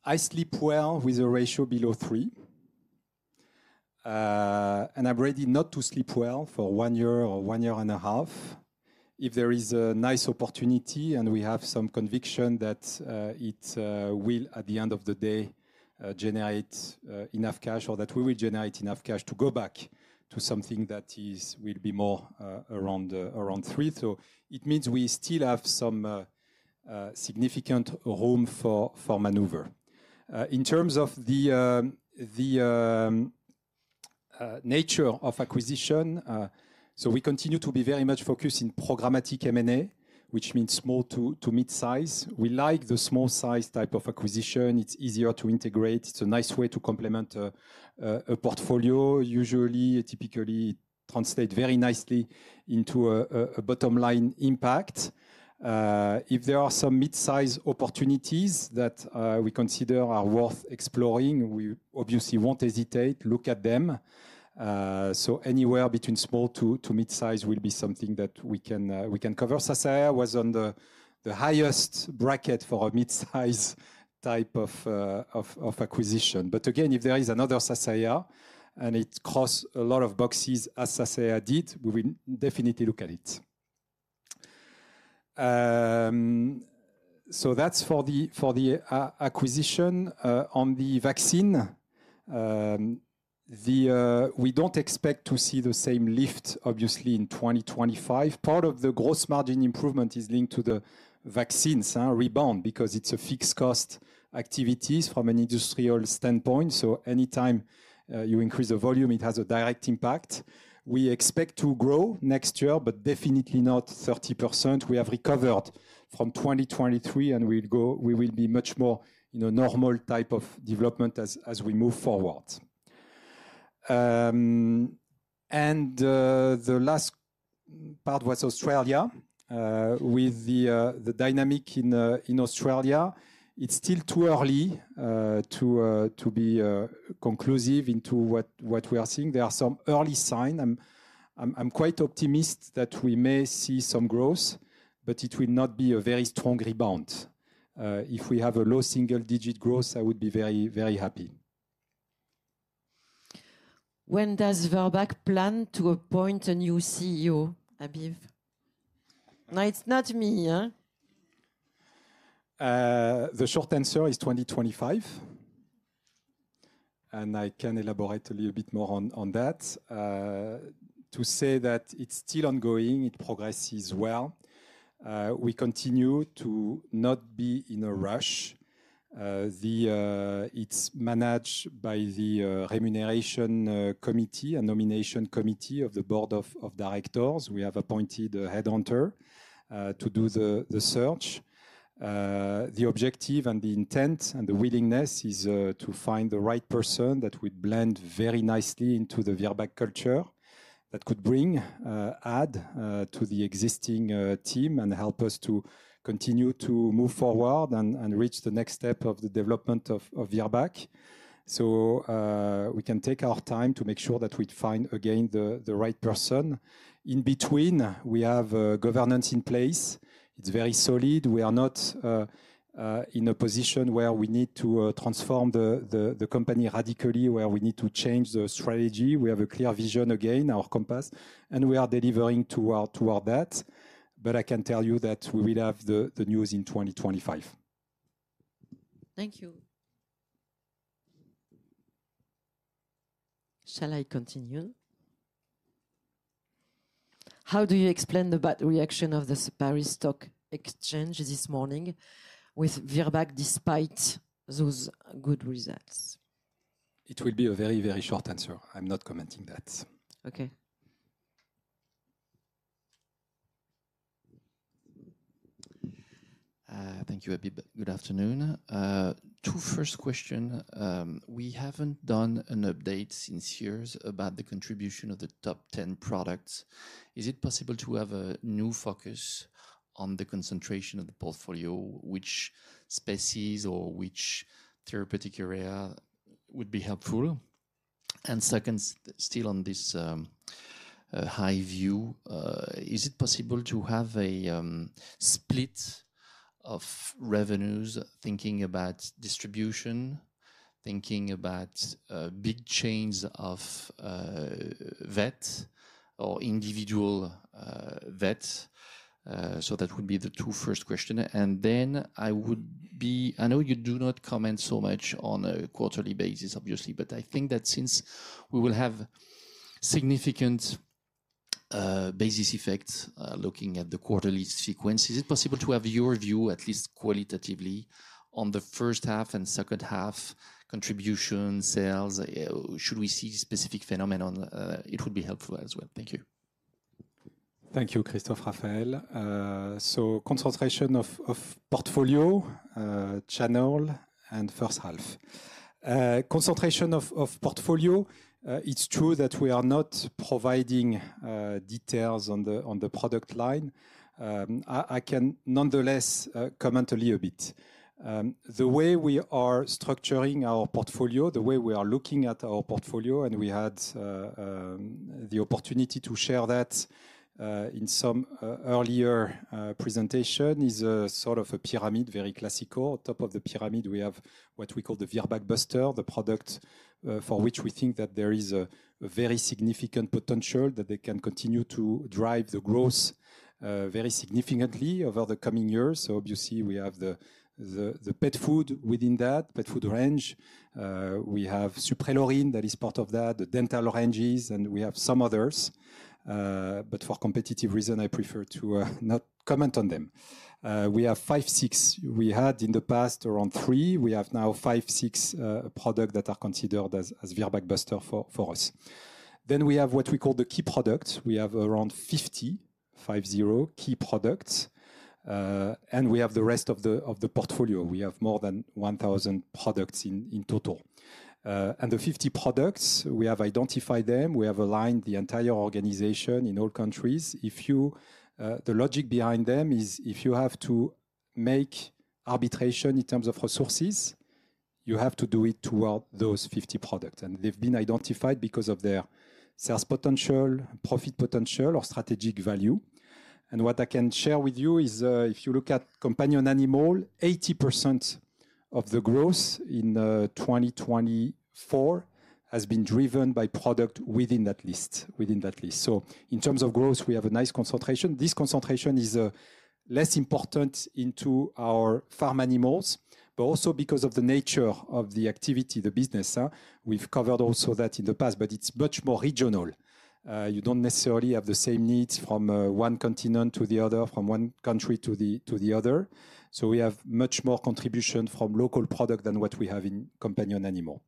I sleep well with a ratio below three. I'm ready not to sleep well for one year or one year and a half. If there is a nice opportunity and we have some conviction that it will, at the end of the day, generate enough cash or that we will generate enough cash to go back to something that will be more around three. It means we still have some significant room for maneuver. In terms of the nature of acquisition, we continue to be very much focused on programmatic M&A, which means small to mid-size. We like the small-sized type of acquisition. It's easier to integrate. It's a nice way to complement a portfolio. Usually, typically, it translates very nicely into a bottom-line impact. If there are some mid-sized opportunities that we consider are worth exploring, we obviously won't hesitate to look at them. Anywhere between small to mid-size will be something that we can cover. Sasaeah was on the highest bracket for a mid-sized type of acquisition. If there is another Sasaeah and it crosses a lot of boxes as Sasaeah did, we will definitely look at it. That is for the acquisition on the vaccine. We do not expect to see the same lift, obviously, in 2025. Part of the gross margin improvement is linked to the vaccines rebound because it is a fixed-cost activity from an industrial standpoint. Anytime you increase the volume, it has a direct impact. We expect to grow next year, but definitely not 30%. We have recovered from 2023, and we will be much more in a normal type of development as we move forward. The last part was Australia with the dynamic in Australia. It is still too early to be conclusive into what we are seeing. There are some early signs. I'm quite optimistic that we may see some growth, but it will not be a very strong rebound. If we have a low single-digit growth, I would be very happy. When does Virbac plan to appoint a new CEO, Habib? No, it's not me. The short answer is 2025. I can elaborate a little bit more on that. To say that it's still ongoing, it progresses well. We continue to not be in a rush. It's managed by the remuneration committee, a nomination committee of the Board of Directors. We have appointed a headhunter to do the search. The objective and the intent and the willingness is to find the right person that would blend very nicely into the Virbac culture that could bring add to the existing team and help us to continue to move forward and reach the next step of the development of Virbac. We can take our time to make sure that we find again the right person. In between, we have governance in place. It's very solid. We are not in a position where we need to transform the company radically, where we need to change the strategy. We have a clear vision again, our compass, and we are delivering toward that. I can tell you that we will have the news in 2025. Thank you. Shall I continue? How do you explain the bad reaction of the Sapari Stock Exchange this morning with Virbac despite those good results? It will be a very, very short answer. I'm not commenting that. Thank you, Habib. Good afternoon. Two first questions. We haven't done an update since years about the contribution of the top 10 products. Is it possible to have a new focus on the concentration of the portfolio, which species or which therapeutic area would be helpful? Second, still on this high view, is it possible to have a split of revenues, thinking about distribution, thinking about big chains of vet or individual vet? That would be the two first questions. I would be, I know you do not comment so much on a quarterly basis, obviously, but I think that since we will have significant basis effects looking at the quarterly sequence, is it possible to have your view, at least qualitatively, on the first half and second half contribution sales? Should we see specific phenomenon? It would be helpful as well. Thank you. Thank you, Christophe Rafael. Concentration of portfolio, channel, and first half. Concentration of portfolio, it's true that we are not providing details on the product line. I can nonetheless comment a little bit. The way we are structuring our portfolio, the way we are looking at our portfolio, and we had the opportunity to share that in some earlier presentation is sort of a pyramid, very classical. On top of the pyramid, we have what we call the Virbac Buster, the product for which we think that there is a very significant potential that they can continue to drive the growth very significantly over the coming years. Obviously, we have the pet food within that, pet food range. We have Suprelorin that is part of that, the dental ranges, and we have some others. For competitive reasons, I prefer to not comment on them. We have five, six. We had in the past around three. We have now five, six products that are considered as Virbac Buster for us. We have what we call the key products. We have around 50, five, zero key products. We have the rest of the portfolio. We have more than 1,000 products in total. The 50 products, we have identified them. We have aligned the entire organization in all countries. The logic behind them is if you have to make arbitration in terms of resources, you have to do it toward those 50 products. They have been identified because of their sales potential, profit potential, or strategic value. What I can share with you is if you look at Companion Animal, 80% of the growth in 2024 has been driven by product within that list. In terms of growth, we have a nice concentration. This concentration is less important in our farm animals, but also because of the nature of the activity, the business. We've covered that in the past, but it's much more regional. You don't necessarily have the same needs from one continent to the other, from one country to the other. We have much more contribution from local products than what we have in Companion Animal.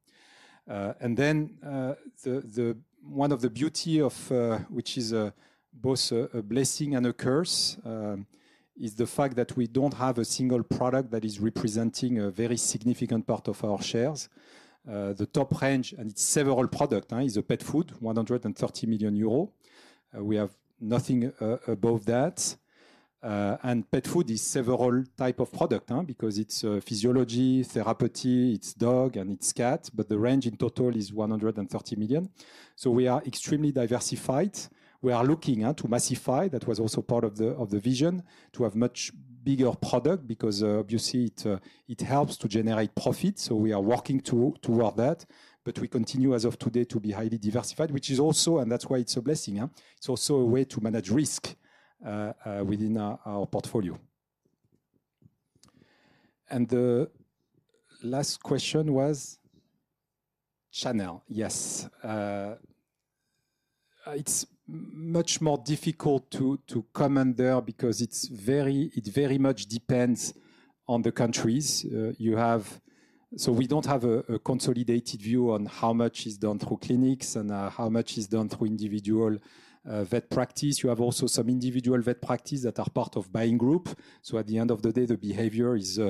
One of the beauties, which is both a blessing and a curse, is the fact that we don't have a single product that is representing a very significant part of our shares. The top range, and it's several products, is pet food, 130 million euros. We have nothing above that. Pet food is several types of products because it's physiology, therapy, it's dog, and it's cat. The range in total is 130 million. We are extremely diversified. We are looking to massify. That was also part of the vision to have much bigger products because obviously it helps to generate profits. We are working toward that. We continue as of today to be highly diversified, which is also, and that's why it's a blessing. It's also a way to manage risk within our portfolio. The last question was channel. Yes. It's much more difficult to comment there because it very much depends on the countries. We do not have a consolidated view on how much is done through clinics and how much is done through individual vet practice. You have also some individual vet practices that are part of buying group. At the end of the day, the behavior is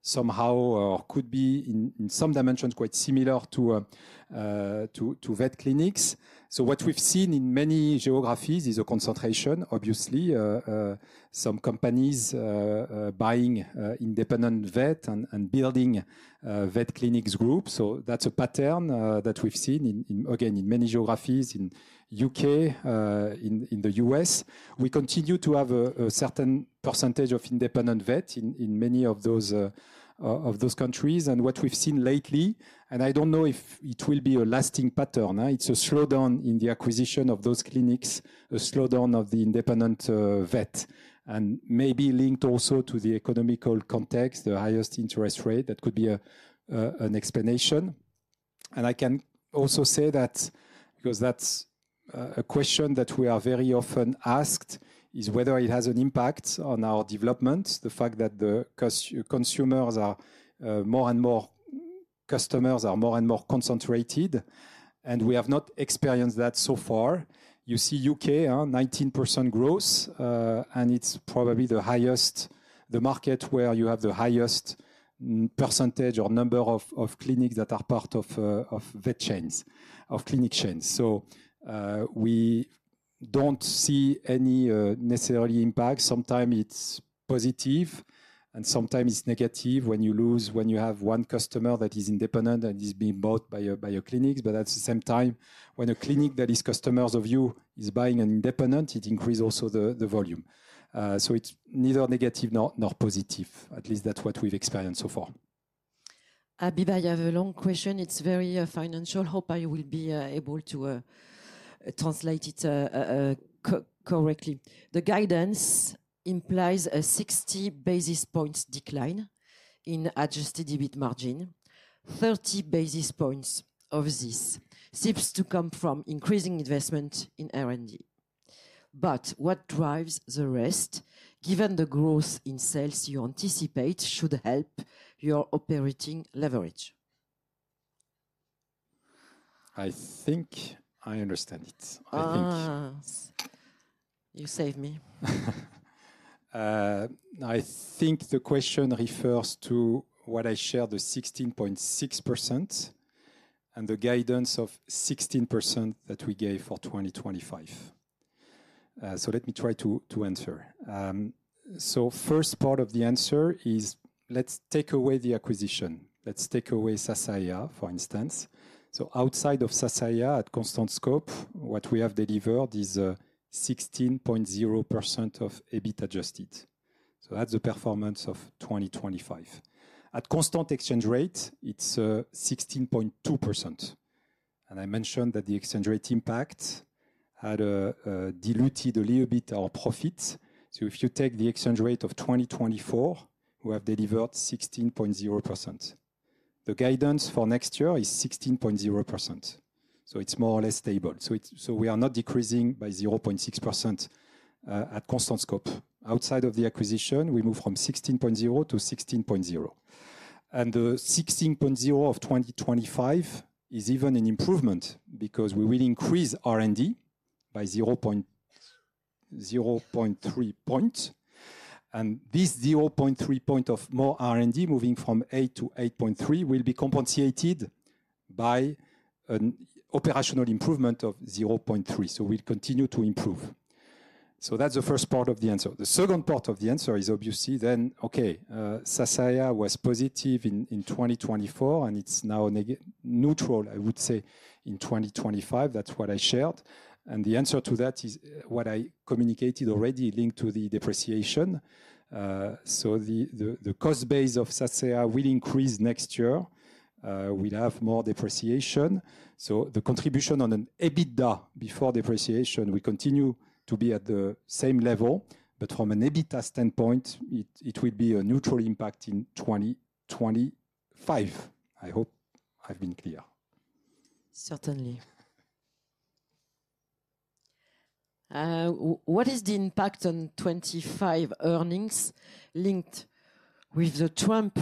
somehow or could be in some dimensions quite similar to vet clinics. What we've seen in many geographies is a concentration, obviously. Some companies buying independent vet and building vet clinics groups. That's a pattern that we've seen, again, in many geographies in the U.K., in the U.S. We continue to have a certain percentage of independent vet in many of those countries. What we've seen lately, and I don't know if it will be a lasting pattern, is a slowdown in the acquisition of those clinics, a slowdown of the independent vet, and maybe linked also to the economical context, the highest interest rate. That could be an explanation. I can also say that because that's a question that we are very often asked, whether it has an impact on our development, the fact that the consumers are more and more, customers are more and more concentrated. We have not experienced that so far. You see U.K., 19% growth, and it's probably the market where you have the highest percentage or number of clinics that are part of vet chains, of clinic chains. We don't see any necessarily impact. Sometimes it's positive and sometimes it's negative when you have one customer that is independent and is being bought by your clinics. At the same time, when a clinic that is customers of you is buying an independent, it increases also the volume. It's neither negative nor positive. At least that's what we've experienced so far. Habib, I have a long question. It's very financial. Hope I will be able to translate it correctly. The guidance implies a 60 basis points decline in adjusted EBIT margin. 30 basis points of this seems to come from increasing investment in R&D. What drives the rest, given the growth in sales you anticipate, should help your operating leverage? I think I understand it. I think you save me. I think the question refers to what I shared, the 16.6% and the guidance of 16% that we gave for 2025. Let me try to answer. First part of the answer is let's take away the acquisition. Let's take away Sasaeah, for instance. Outside of Sasaeah, at constant scope, what we have delivered is 16.0% of EBIT adjusted. That's the performance of 2025. At constant exchange rate, it's 16.2%. I mentioned that the exchange rate impact had diluted a little bit our profits. If you take the exchange rate of 2024, we have delivered 16.0%. The guidance for next year is 16.0%. It's more or less stable. We are not decreasing by 0.6% at constant scope. Outside of the acquisition, we move from 16.0 to 16.0. The 16.0 of 2025 is even an improvement because we will increase R&D by 0.3 percentage points. This 0.3 percentage point of more R&D, moving from 8% to 8.3%, will be compensated by an operational improvement of 0.3. We will continue to improve. That is the first part of the answer. The second part of the answer is obviously then, okay, Sasaeah was positive in 2024 and it is now neutral, I would say, in 2025. That is what I shared. The answer to that is what I communicated already linked to the depreciation. The cost base of Sasaeah will increase next year. We will have more depreciation. The contribution on an EBITDA before depreciation will continue to be at the same level. But from an EBITDA standpoint, it will be a neutral impact in 2025. I hope I've been clear. Certainly. What is the impact on 2025 earnings linked with the Trump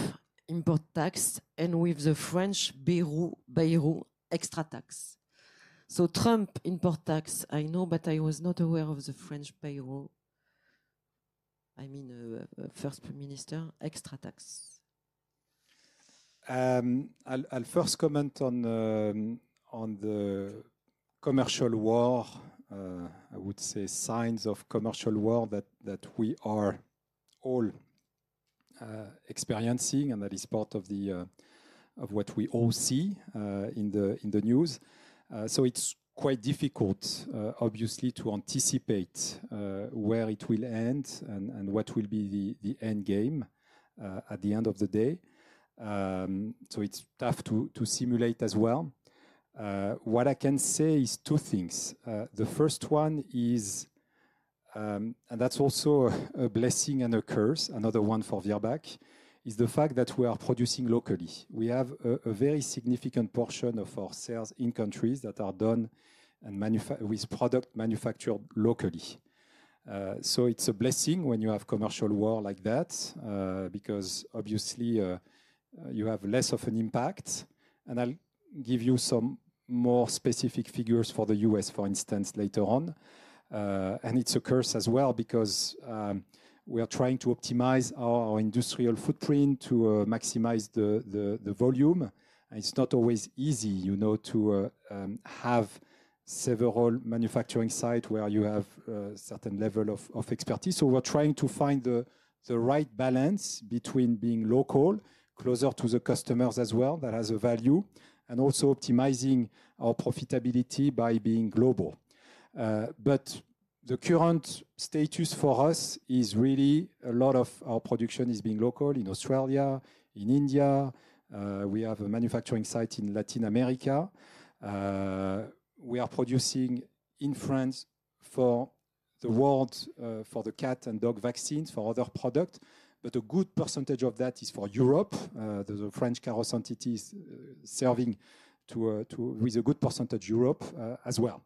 import tax and with the French Bayrou extra tax? Trump import tax, I know, but I was not aware of the French Bayrou. I mean, first minister, extra tax. I'll first comment on the commercial war. I would say signs of commercial war that we are all experiencing and that is part of what we all see in the news. It's quite difficult, obviously, to anticipate where it will end and what will be the end game at the end of the day. It's tough to simulate as well. What I can say is two things. The first one is, and that's also a blessing and a curse, another one for Virbac, is the fact that we are producing locally. We have a very significant portion of our sales in countries that are done with product manufactured locally. It's a blessing when you have commercial war like that because obviously you have less of an impact. I'll give you some more specific figures for the U.S., for instance, later on. It's a curse as well because we are trying to optimize our industrial footprint to maximize the volume. It's not always easy to have several manufacturing sites where you have a certain level of expertise. We are trying to find the right balance between being local, closer to the customers as well, that has a value, and also optimizing our profitability by being global. The current status for us is really a lot of our production is being local in Australia, in India. We have a manufacturing site in Latin America. We are producing in France for the world for the cat and dog vaccines for other products. A good percentage of that is for Europe. The French Carros entity is serving with a good percentage of Europe as well.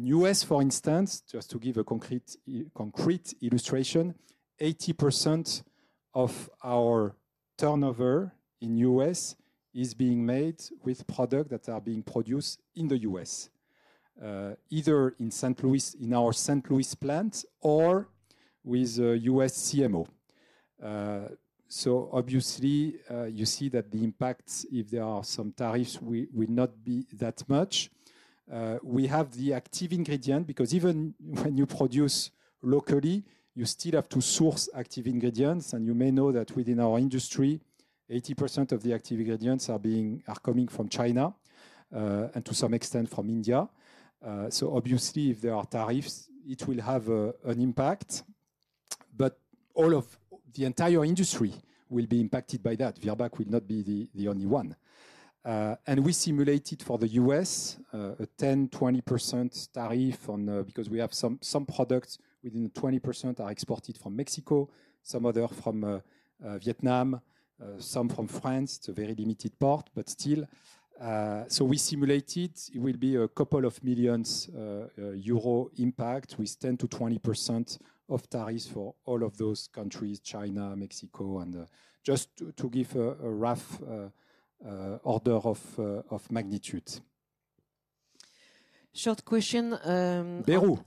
In the U.S., for instance, just to give a concrete illustration, 80% of our turnover in the U.S. is being made with products that are being produced in the U.S., either in our St. Louis plant or with a U.S. CMO. Obviously, you see that the impact, if there are some tariffs, will not be that much. We have the active ingredient because even when you produce locally, you still have to source active ingredients. You may know that within our industry, 80% of the active ingredients are coming from China and to some extent from India. Obviously, if there are tariffs, it will have an impact. The entire industry will be impacted by that. Virbac will not be the only one. We simulated for the U.S. a 10%-20% tariff because we have some products within 20% are exported from Mexico, some other from Vietnam, some from France. It is a very limited part, but still. We simulated it will be a couple of million EUR impact with 10%-20% of tariffs for all of those countries, China, Mexico, and just to give a rough order of magnitude. Short question. Bayrou,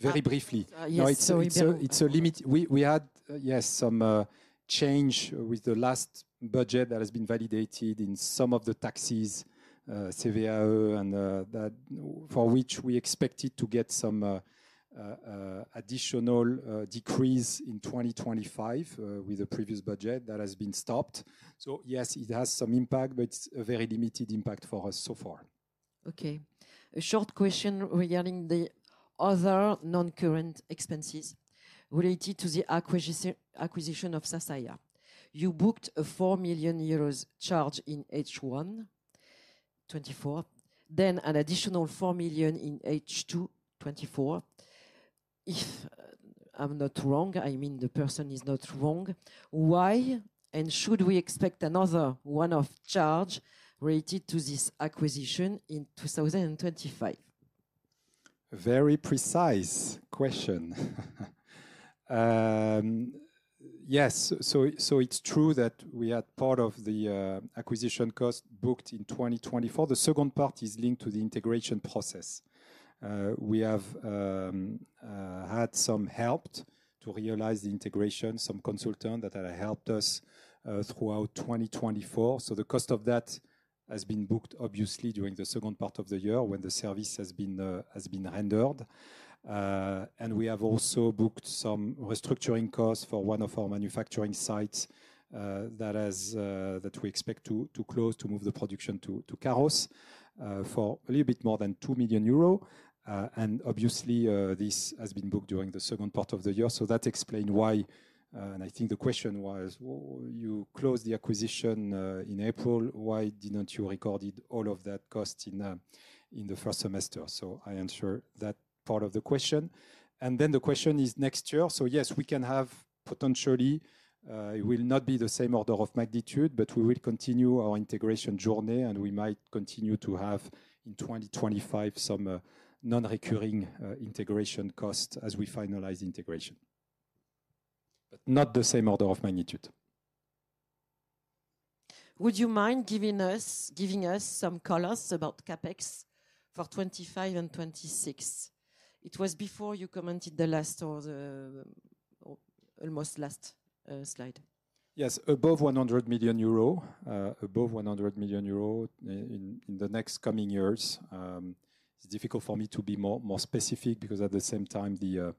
very briefly. We had, yes, some change with the last budget that has been validated in some of the taxes, CVAE, and for which we expected to get some additional decrease in 2025 with the previous budget that has been stopped. Yes, it has some impact, but it's a very limited impact for us so far. Okay. A short question regarding the other non-current expenses related to the acquisition of Sasaeah. You booked a 4 million euros charge in H1 2024, then an additional 4 million in H2 2024. If I'm not wrong, I mean the person is not wrong. Why and should we expect another one-off charge related to this acquisition in 2025? Very precise question. Yes, it is true that we had part of the acquisition cost booked in 2024. The second part is linked to the integration process. We have had some help to realize the integration, some consultants that have helped us throughout 2024. The cost of that has been booked, obviously, during the second part of the year when the service has been rendered. We have also booked some restructuring costs for one of our manufacturing sites that we expect to close to move the production to Carros for a little bit more than 2 million euros. This has been booked during the second part of the year. That explains why. I think the question was, you closed the acquisition in April. Why did you not record all of that cost in the first semester? I answered that part of the question. The question is next year. Yes, we can have potentially, it will not be the same order of magnitude, but we will continue our integration journey and we might continue to have in 2025 some non-recurring integration costs as we finalize the integration, but not the same order of magnitude. Would you mind giving us some colors about CapEx for 2025 and 2026? It was before you commented the last or the almost last slide. Yes, above 100 million euro, above 100 million euro in the next coming years. It's difficult for me to be more specific because at the same time, the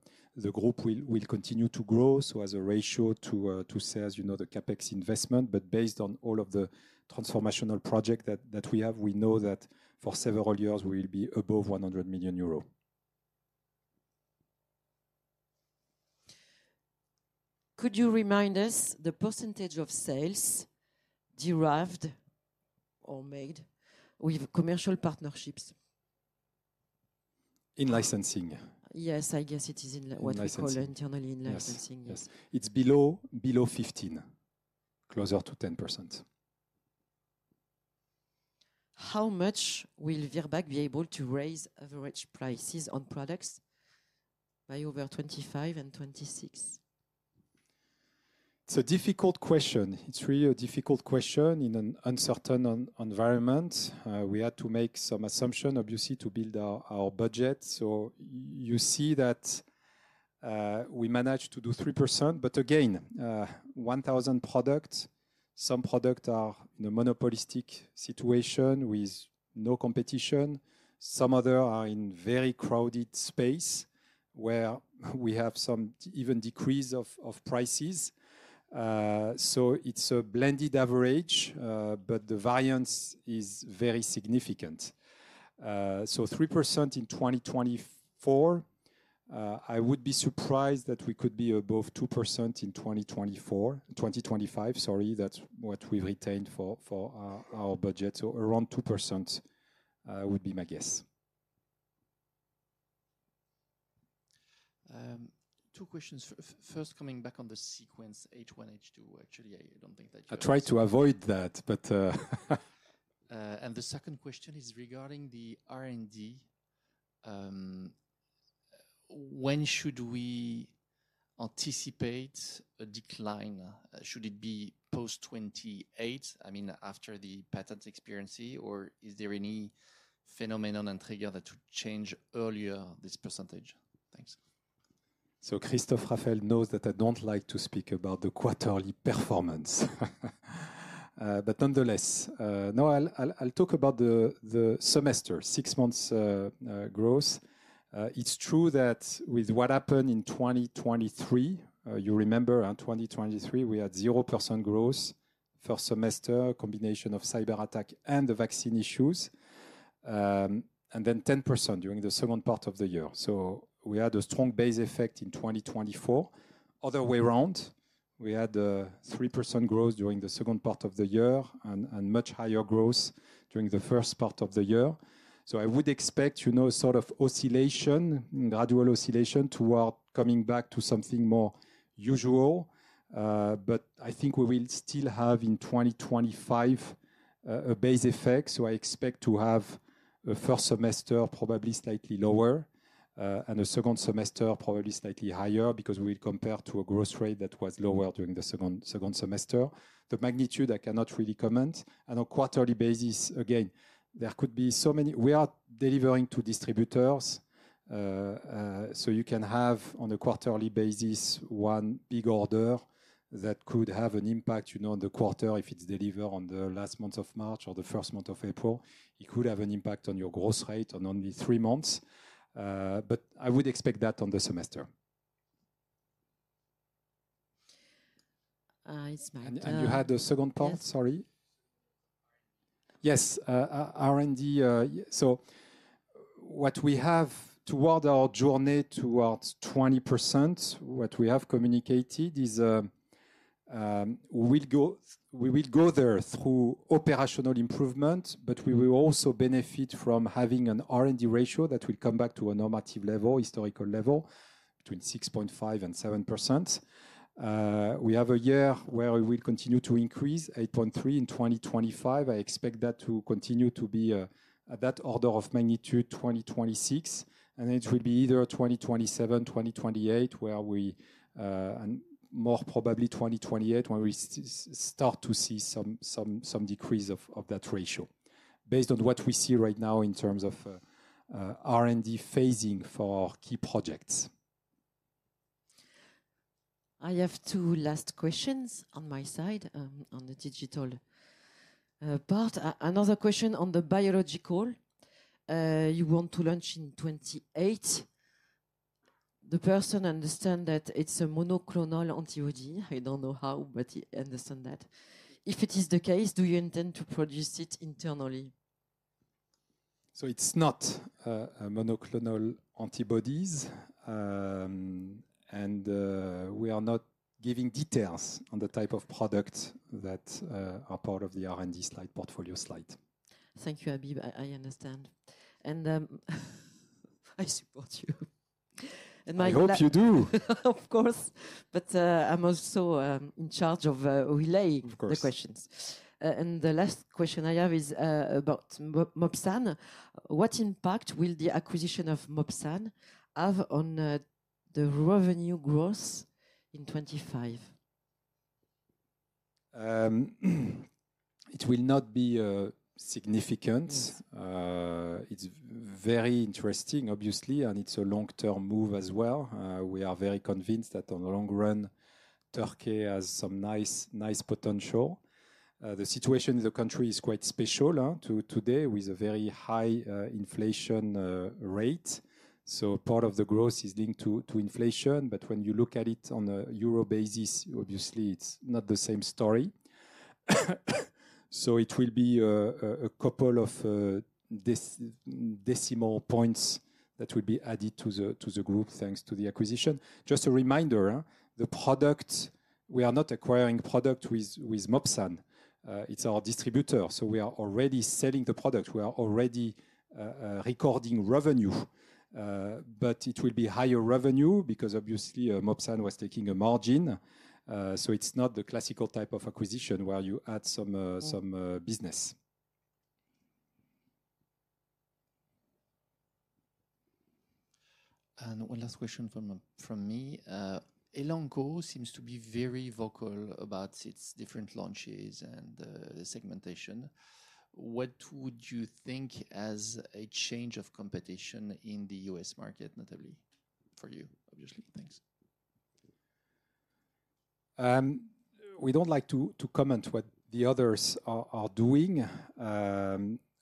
group will continue to grow. As a ratio to sales, you know the CapEx investment, but based on all of the transformational projects that we have, we know that for several years, we will be above 100 million euro. Could you remind us the percentage of sales derived or made with commercial partnerships? In licensing. Yes, I guess it is in what we call internally in licensing. Yes, it's below 15%, closer to 10%. How much will Virbac be able to raise average prices on products by over 2025 and 2026? It's a difficult question. It's really a difficult question in an uncertain environment. We had to make some assumptions, obviously, to build our budget. You see that we managed to do 3%, but again, 1,000 products, some products are in a monopolistic situation with no competition. Some others are in very crowded space where we have some even decrease of prices. It's a blended average, but the variance is very significant. 3% in 2024, I would be surprised that we could be above 2% in 2024, 2025. Sorry, that's what we've retained for our budget. Around 2% would be my guess. Two questions. First, coming back on the sequence H1, H2, actually, I don't think that you... I tried to avoid that, but... The second question is regarding the R&D. When should we anticipate a decline? Should it be post-2028, I mean, after the patent expirency, or is there any phenomenon and trigger that would change earlier this percentage? Thanks. Christophe Raphael knows that I don't like to speak about the quarterly performance. Nonetheless, no, I'll talk about the semester, six months growth. It's true that with what happened in 2023, you remember, 2023, we had 0% growth first semester, a combination of cyber attack and the vaccine issues, and then 10% during the second part of the year. We had a strong base effect in 2024. Other way around, we had 3% growth during the second part of the year and much higher growth during the first part of the year. I would expect sort of oscillation, gradual oscillation toward coming back to something more usual. I think we will still have in 2025 a base effect. I expect to have a first semester probably slightly lower and a second semester probably slightly higher because we will compare to a growth rate that was lower during the second semester. The magnitude, I cannot really comment. On quarterly basis, again, there could be so many. We are delivering to distributors. You can have on a quarterly basis one big order that could have an impact on the quarter if it's delivered on the last month of March or the first month of April. It could have an impact on your growth rate on only three months. I would expect that on the semester. You had the second part, sorry. Yes, R&D. What we have toward our journey towards 20%, what we have communicated is we will go there through operational improvement, but we will also benefit from having an R&D ratio that will come back to a normative level, historical level between 6.5% and 7%. We have a year where we will continue to increase, 8.3% in 2025. I expect that to continue to be at that order of magnitude 2026. It will be either 2027, 2028, more probably 2028, where we start to see some decrease of that ratio based on what we see right now in terms of R&D phasing for key projects. I have two last questions on my side on the digital part. Another question on the biological. You want to launch in 2028. The person understands that it's a monoclonal antibody. I don't know how, but I understand that. If it is the case, do you intend to produce it internally? It is not monoclonal antibodies. We are not giving details on the type of products that are part of the R&D portfolio slide. Thank you, Habib. I understand. I support you. I hope you do. Of course. I am also in charge of relaying the questions. The last question I have is about Mopsan. What impact will the acquisition of Mopsan have on the revenue growth in 2025? It will not be significant. It is very interesting, obviously, and it is a long-term move as well. We are very convinced that on the long run, Turkey has some nice potential. The situation in the country is quite special today with a very high inflation rate. Part of the growth is linked to inflation. When you look at it on a euro basis, obviously, it's not the same story. It will be a couple of decimal points that will be added to the group thanks to the acquisition. Just a reminder, the product, we are not acquiring product with Mopsan. It's our distributor. We are already selling the product. We are already recording revenue. It will be higher revenue because obviously Mopsan was taking a margin. It's not the classical type of acquisition where you add some business. One last question from me. Elanco seems to be very vocal about its different launches and the segmentation. What would you think as a change of competition in the U.S. market, notably for you, obviously? Thanks. We do not like to comment on what the others are doing.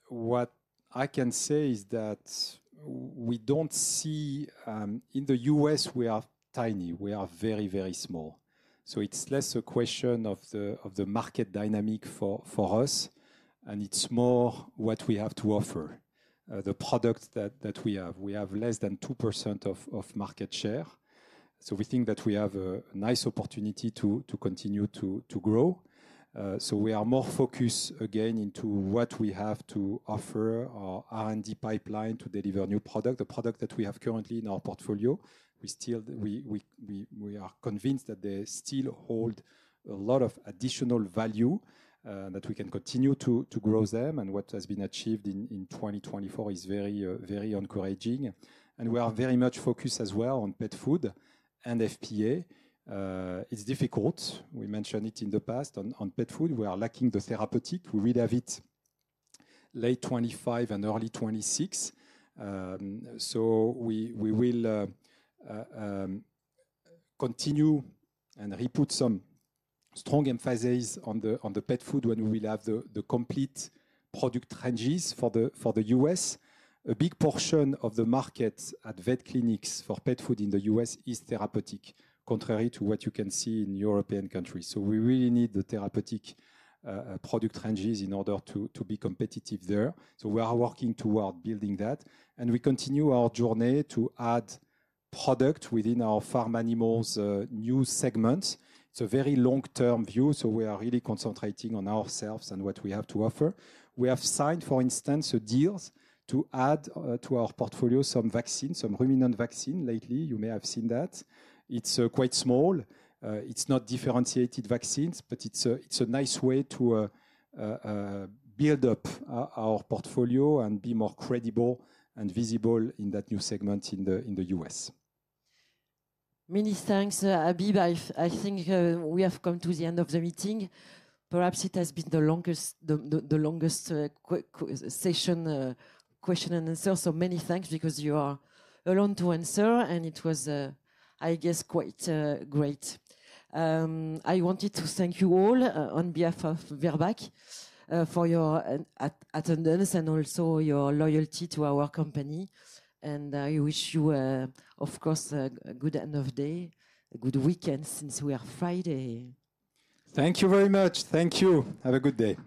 What I can say is that we do not see in the U.S., we are tiny. We are very, very small. It is less a question of the market dynamic for us. It is more what we have to offer, the products that we have. We have less than 2% of market share. We think that we have a nice opportunity to continue to grow. We are more focused again into what we have to offer, our R&D pipeline to deliver new products, the products that we have currently in our portfolio. We are convinced that they still hold a lot of additional value that we can continue to grow them. What has been achieved in 2024 is very encouraging. We are very much focused as well on pet food and FPA. It's difficult. We mentioned it in the past on pet food. We are lacking the therapeutic. We will have it late 2025 and early 2026. We will continue and re-put some strong emphasis on the pet food when we will have the complete product ranges for the U.S. A big portion of the market at vet clinics for pet food in the U.S. is therapeutic, contrary to what you can see in European countries. We really need the therapeutic product ranges in order to be competitive there. We are working toward building that. We continue our journey to add product within our farm animals new segments. It's a very long-term view. We are really concentrating on ourselves and what we have to offer. We have signed, for instance, deals to add to our portfolio some vaccines, some ruminant vaccine lately. You may have seen that. It is quite small. It is not differentiated vaccines, but it is a nice way to build up our portfolio and be more credible and visible in that new segment in the U.S. Many thanks, Habib. I think we have come to the end of the meeting. Perhaps it has been the longest session question-and-answer. Many thanks because you are alone to answer. It was, I guess, quite great. I wanted to thank you all on behalf of Virbac for your attendance and also your loyalty to our company. I wish you, of course, a good end of day, a good weekend since we are Friday. Thank you very much. Thank you. Have a good day.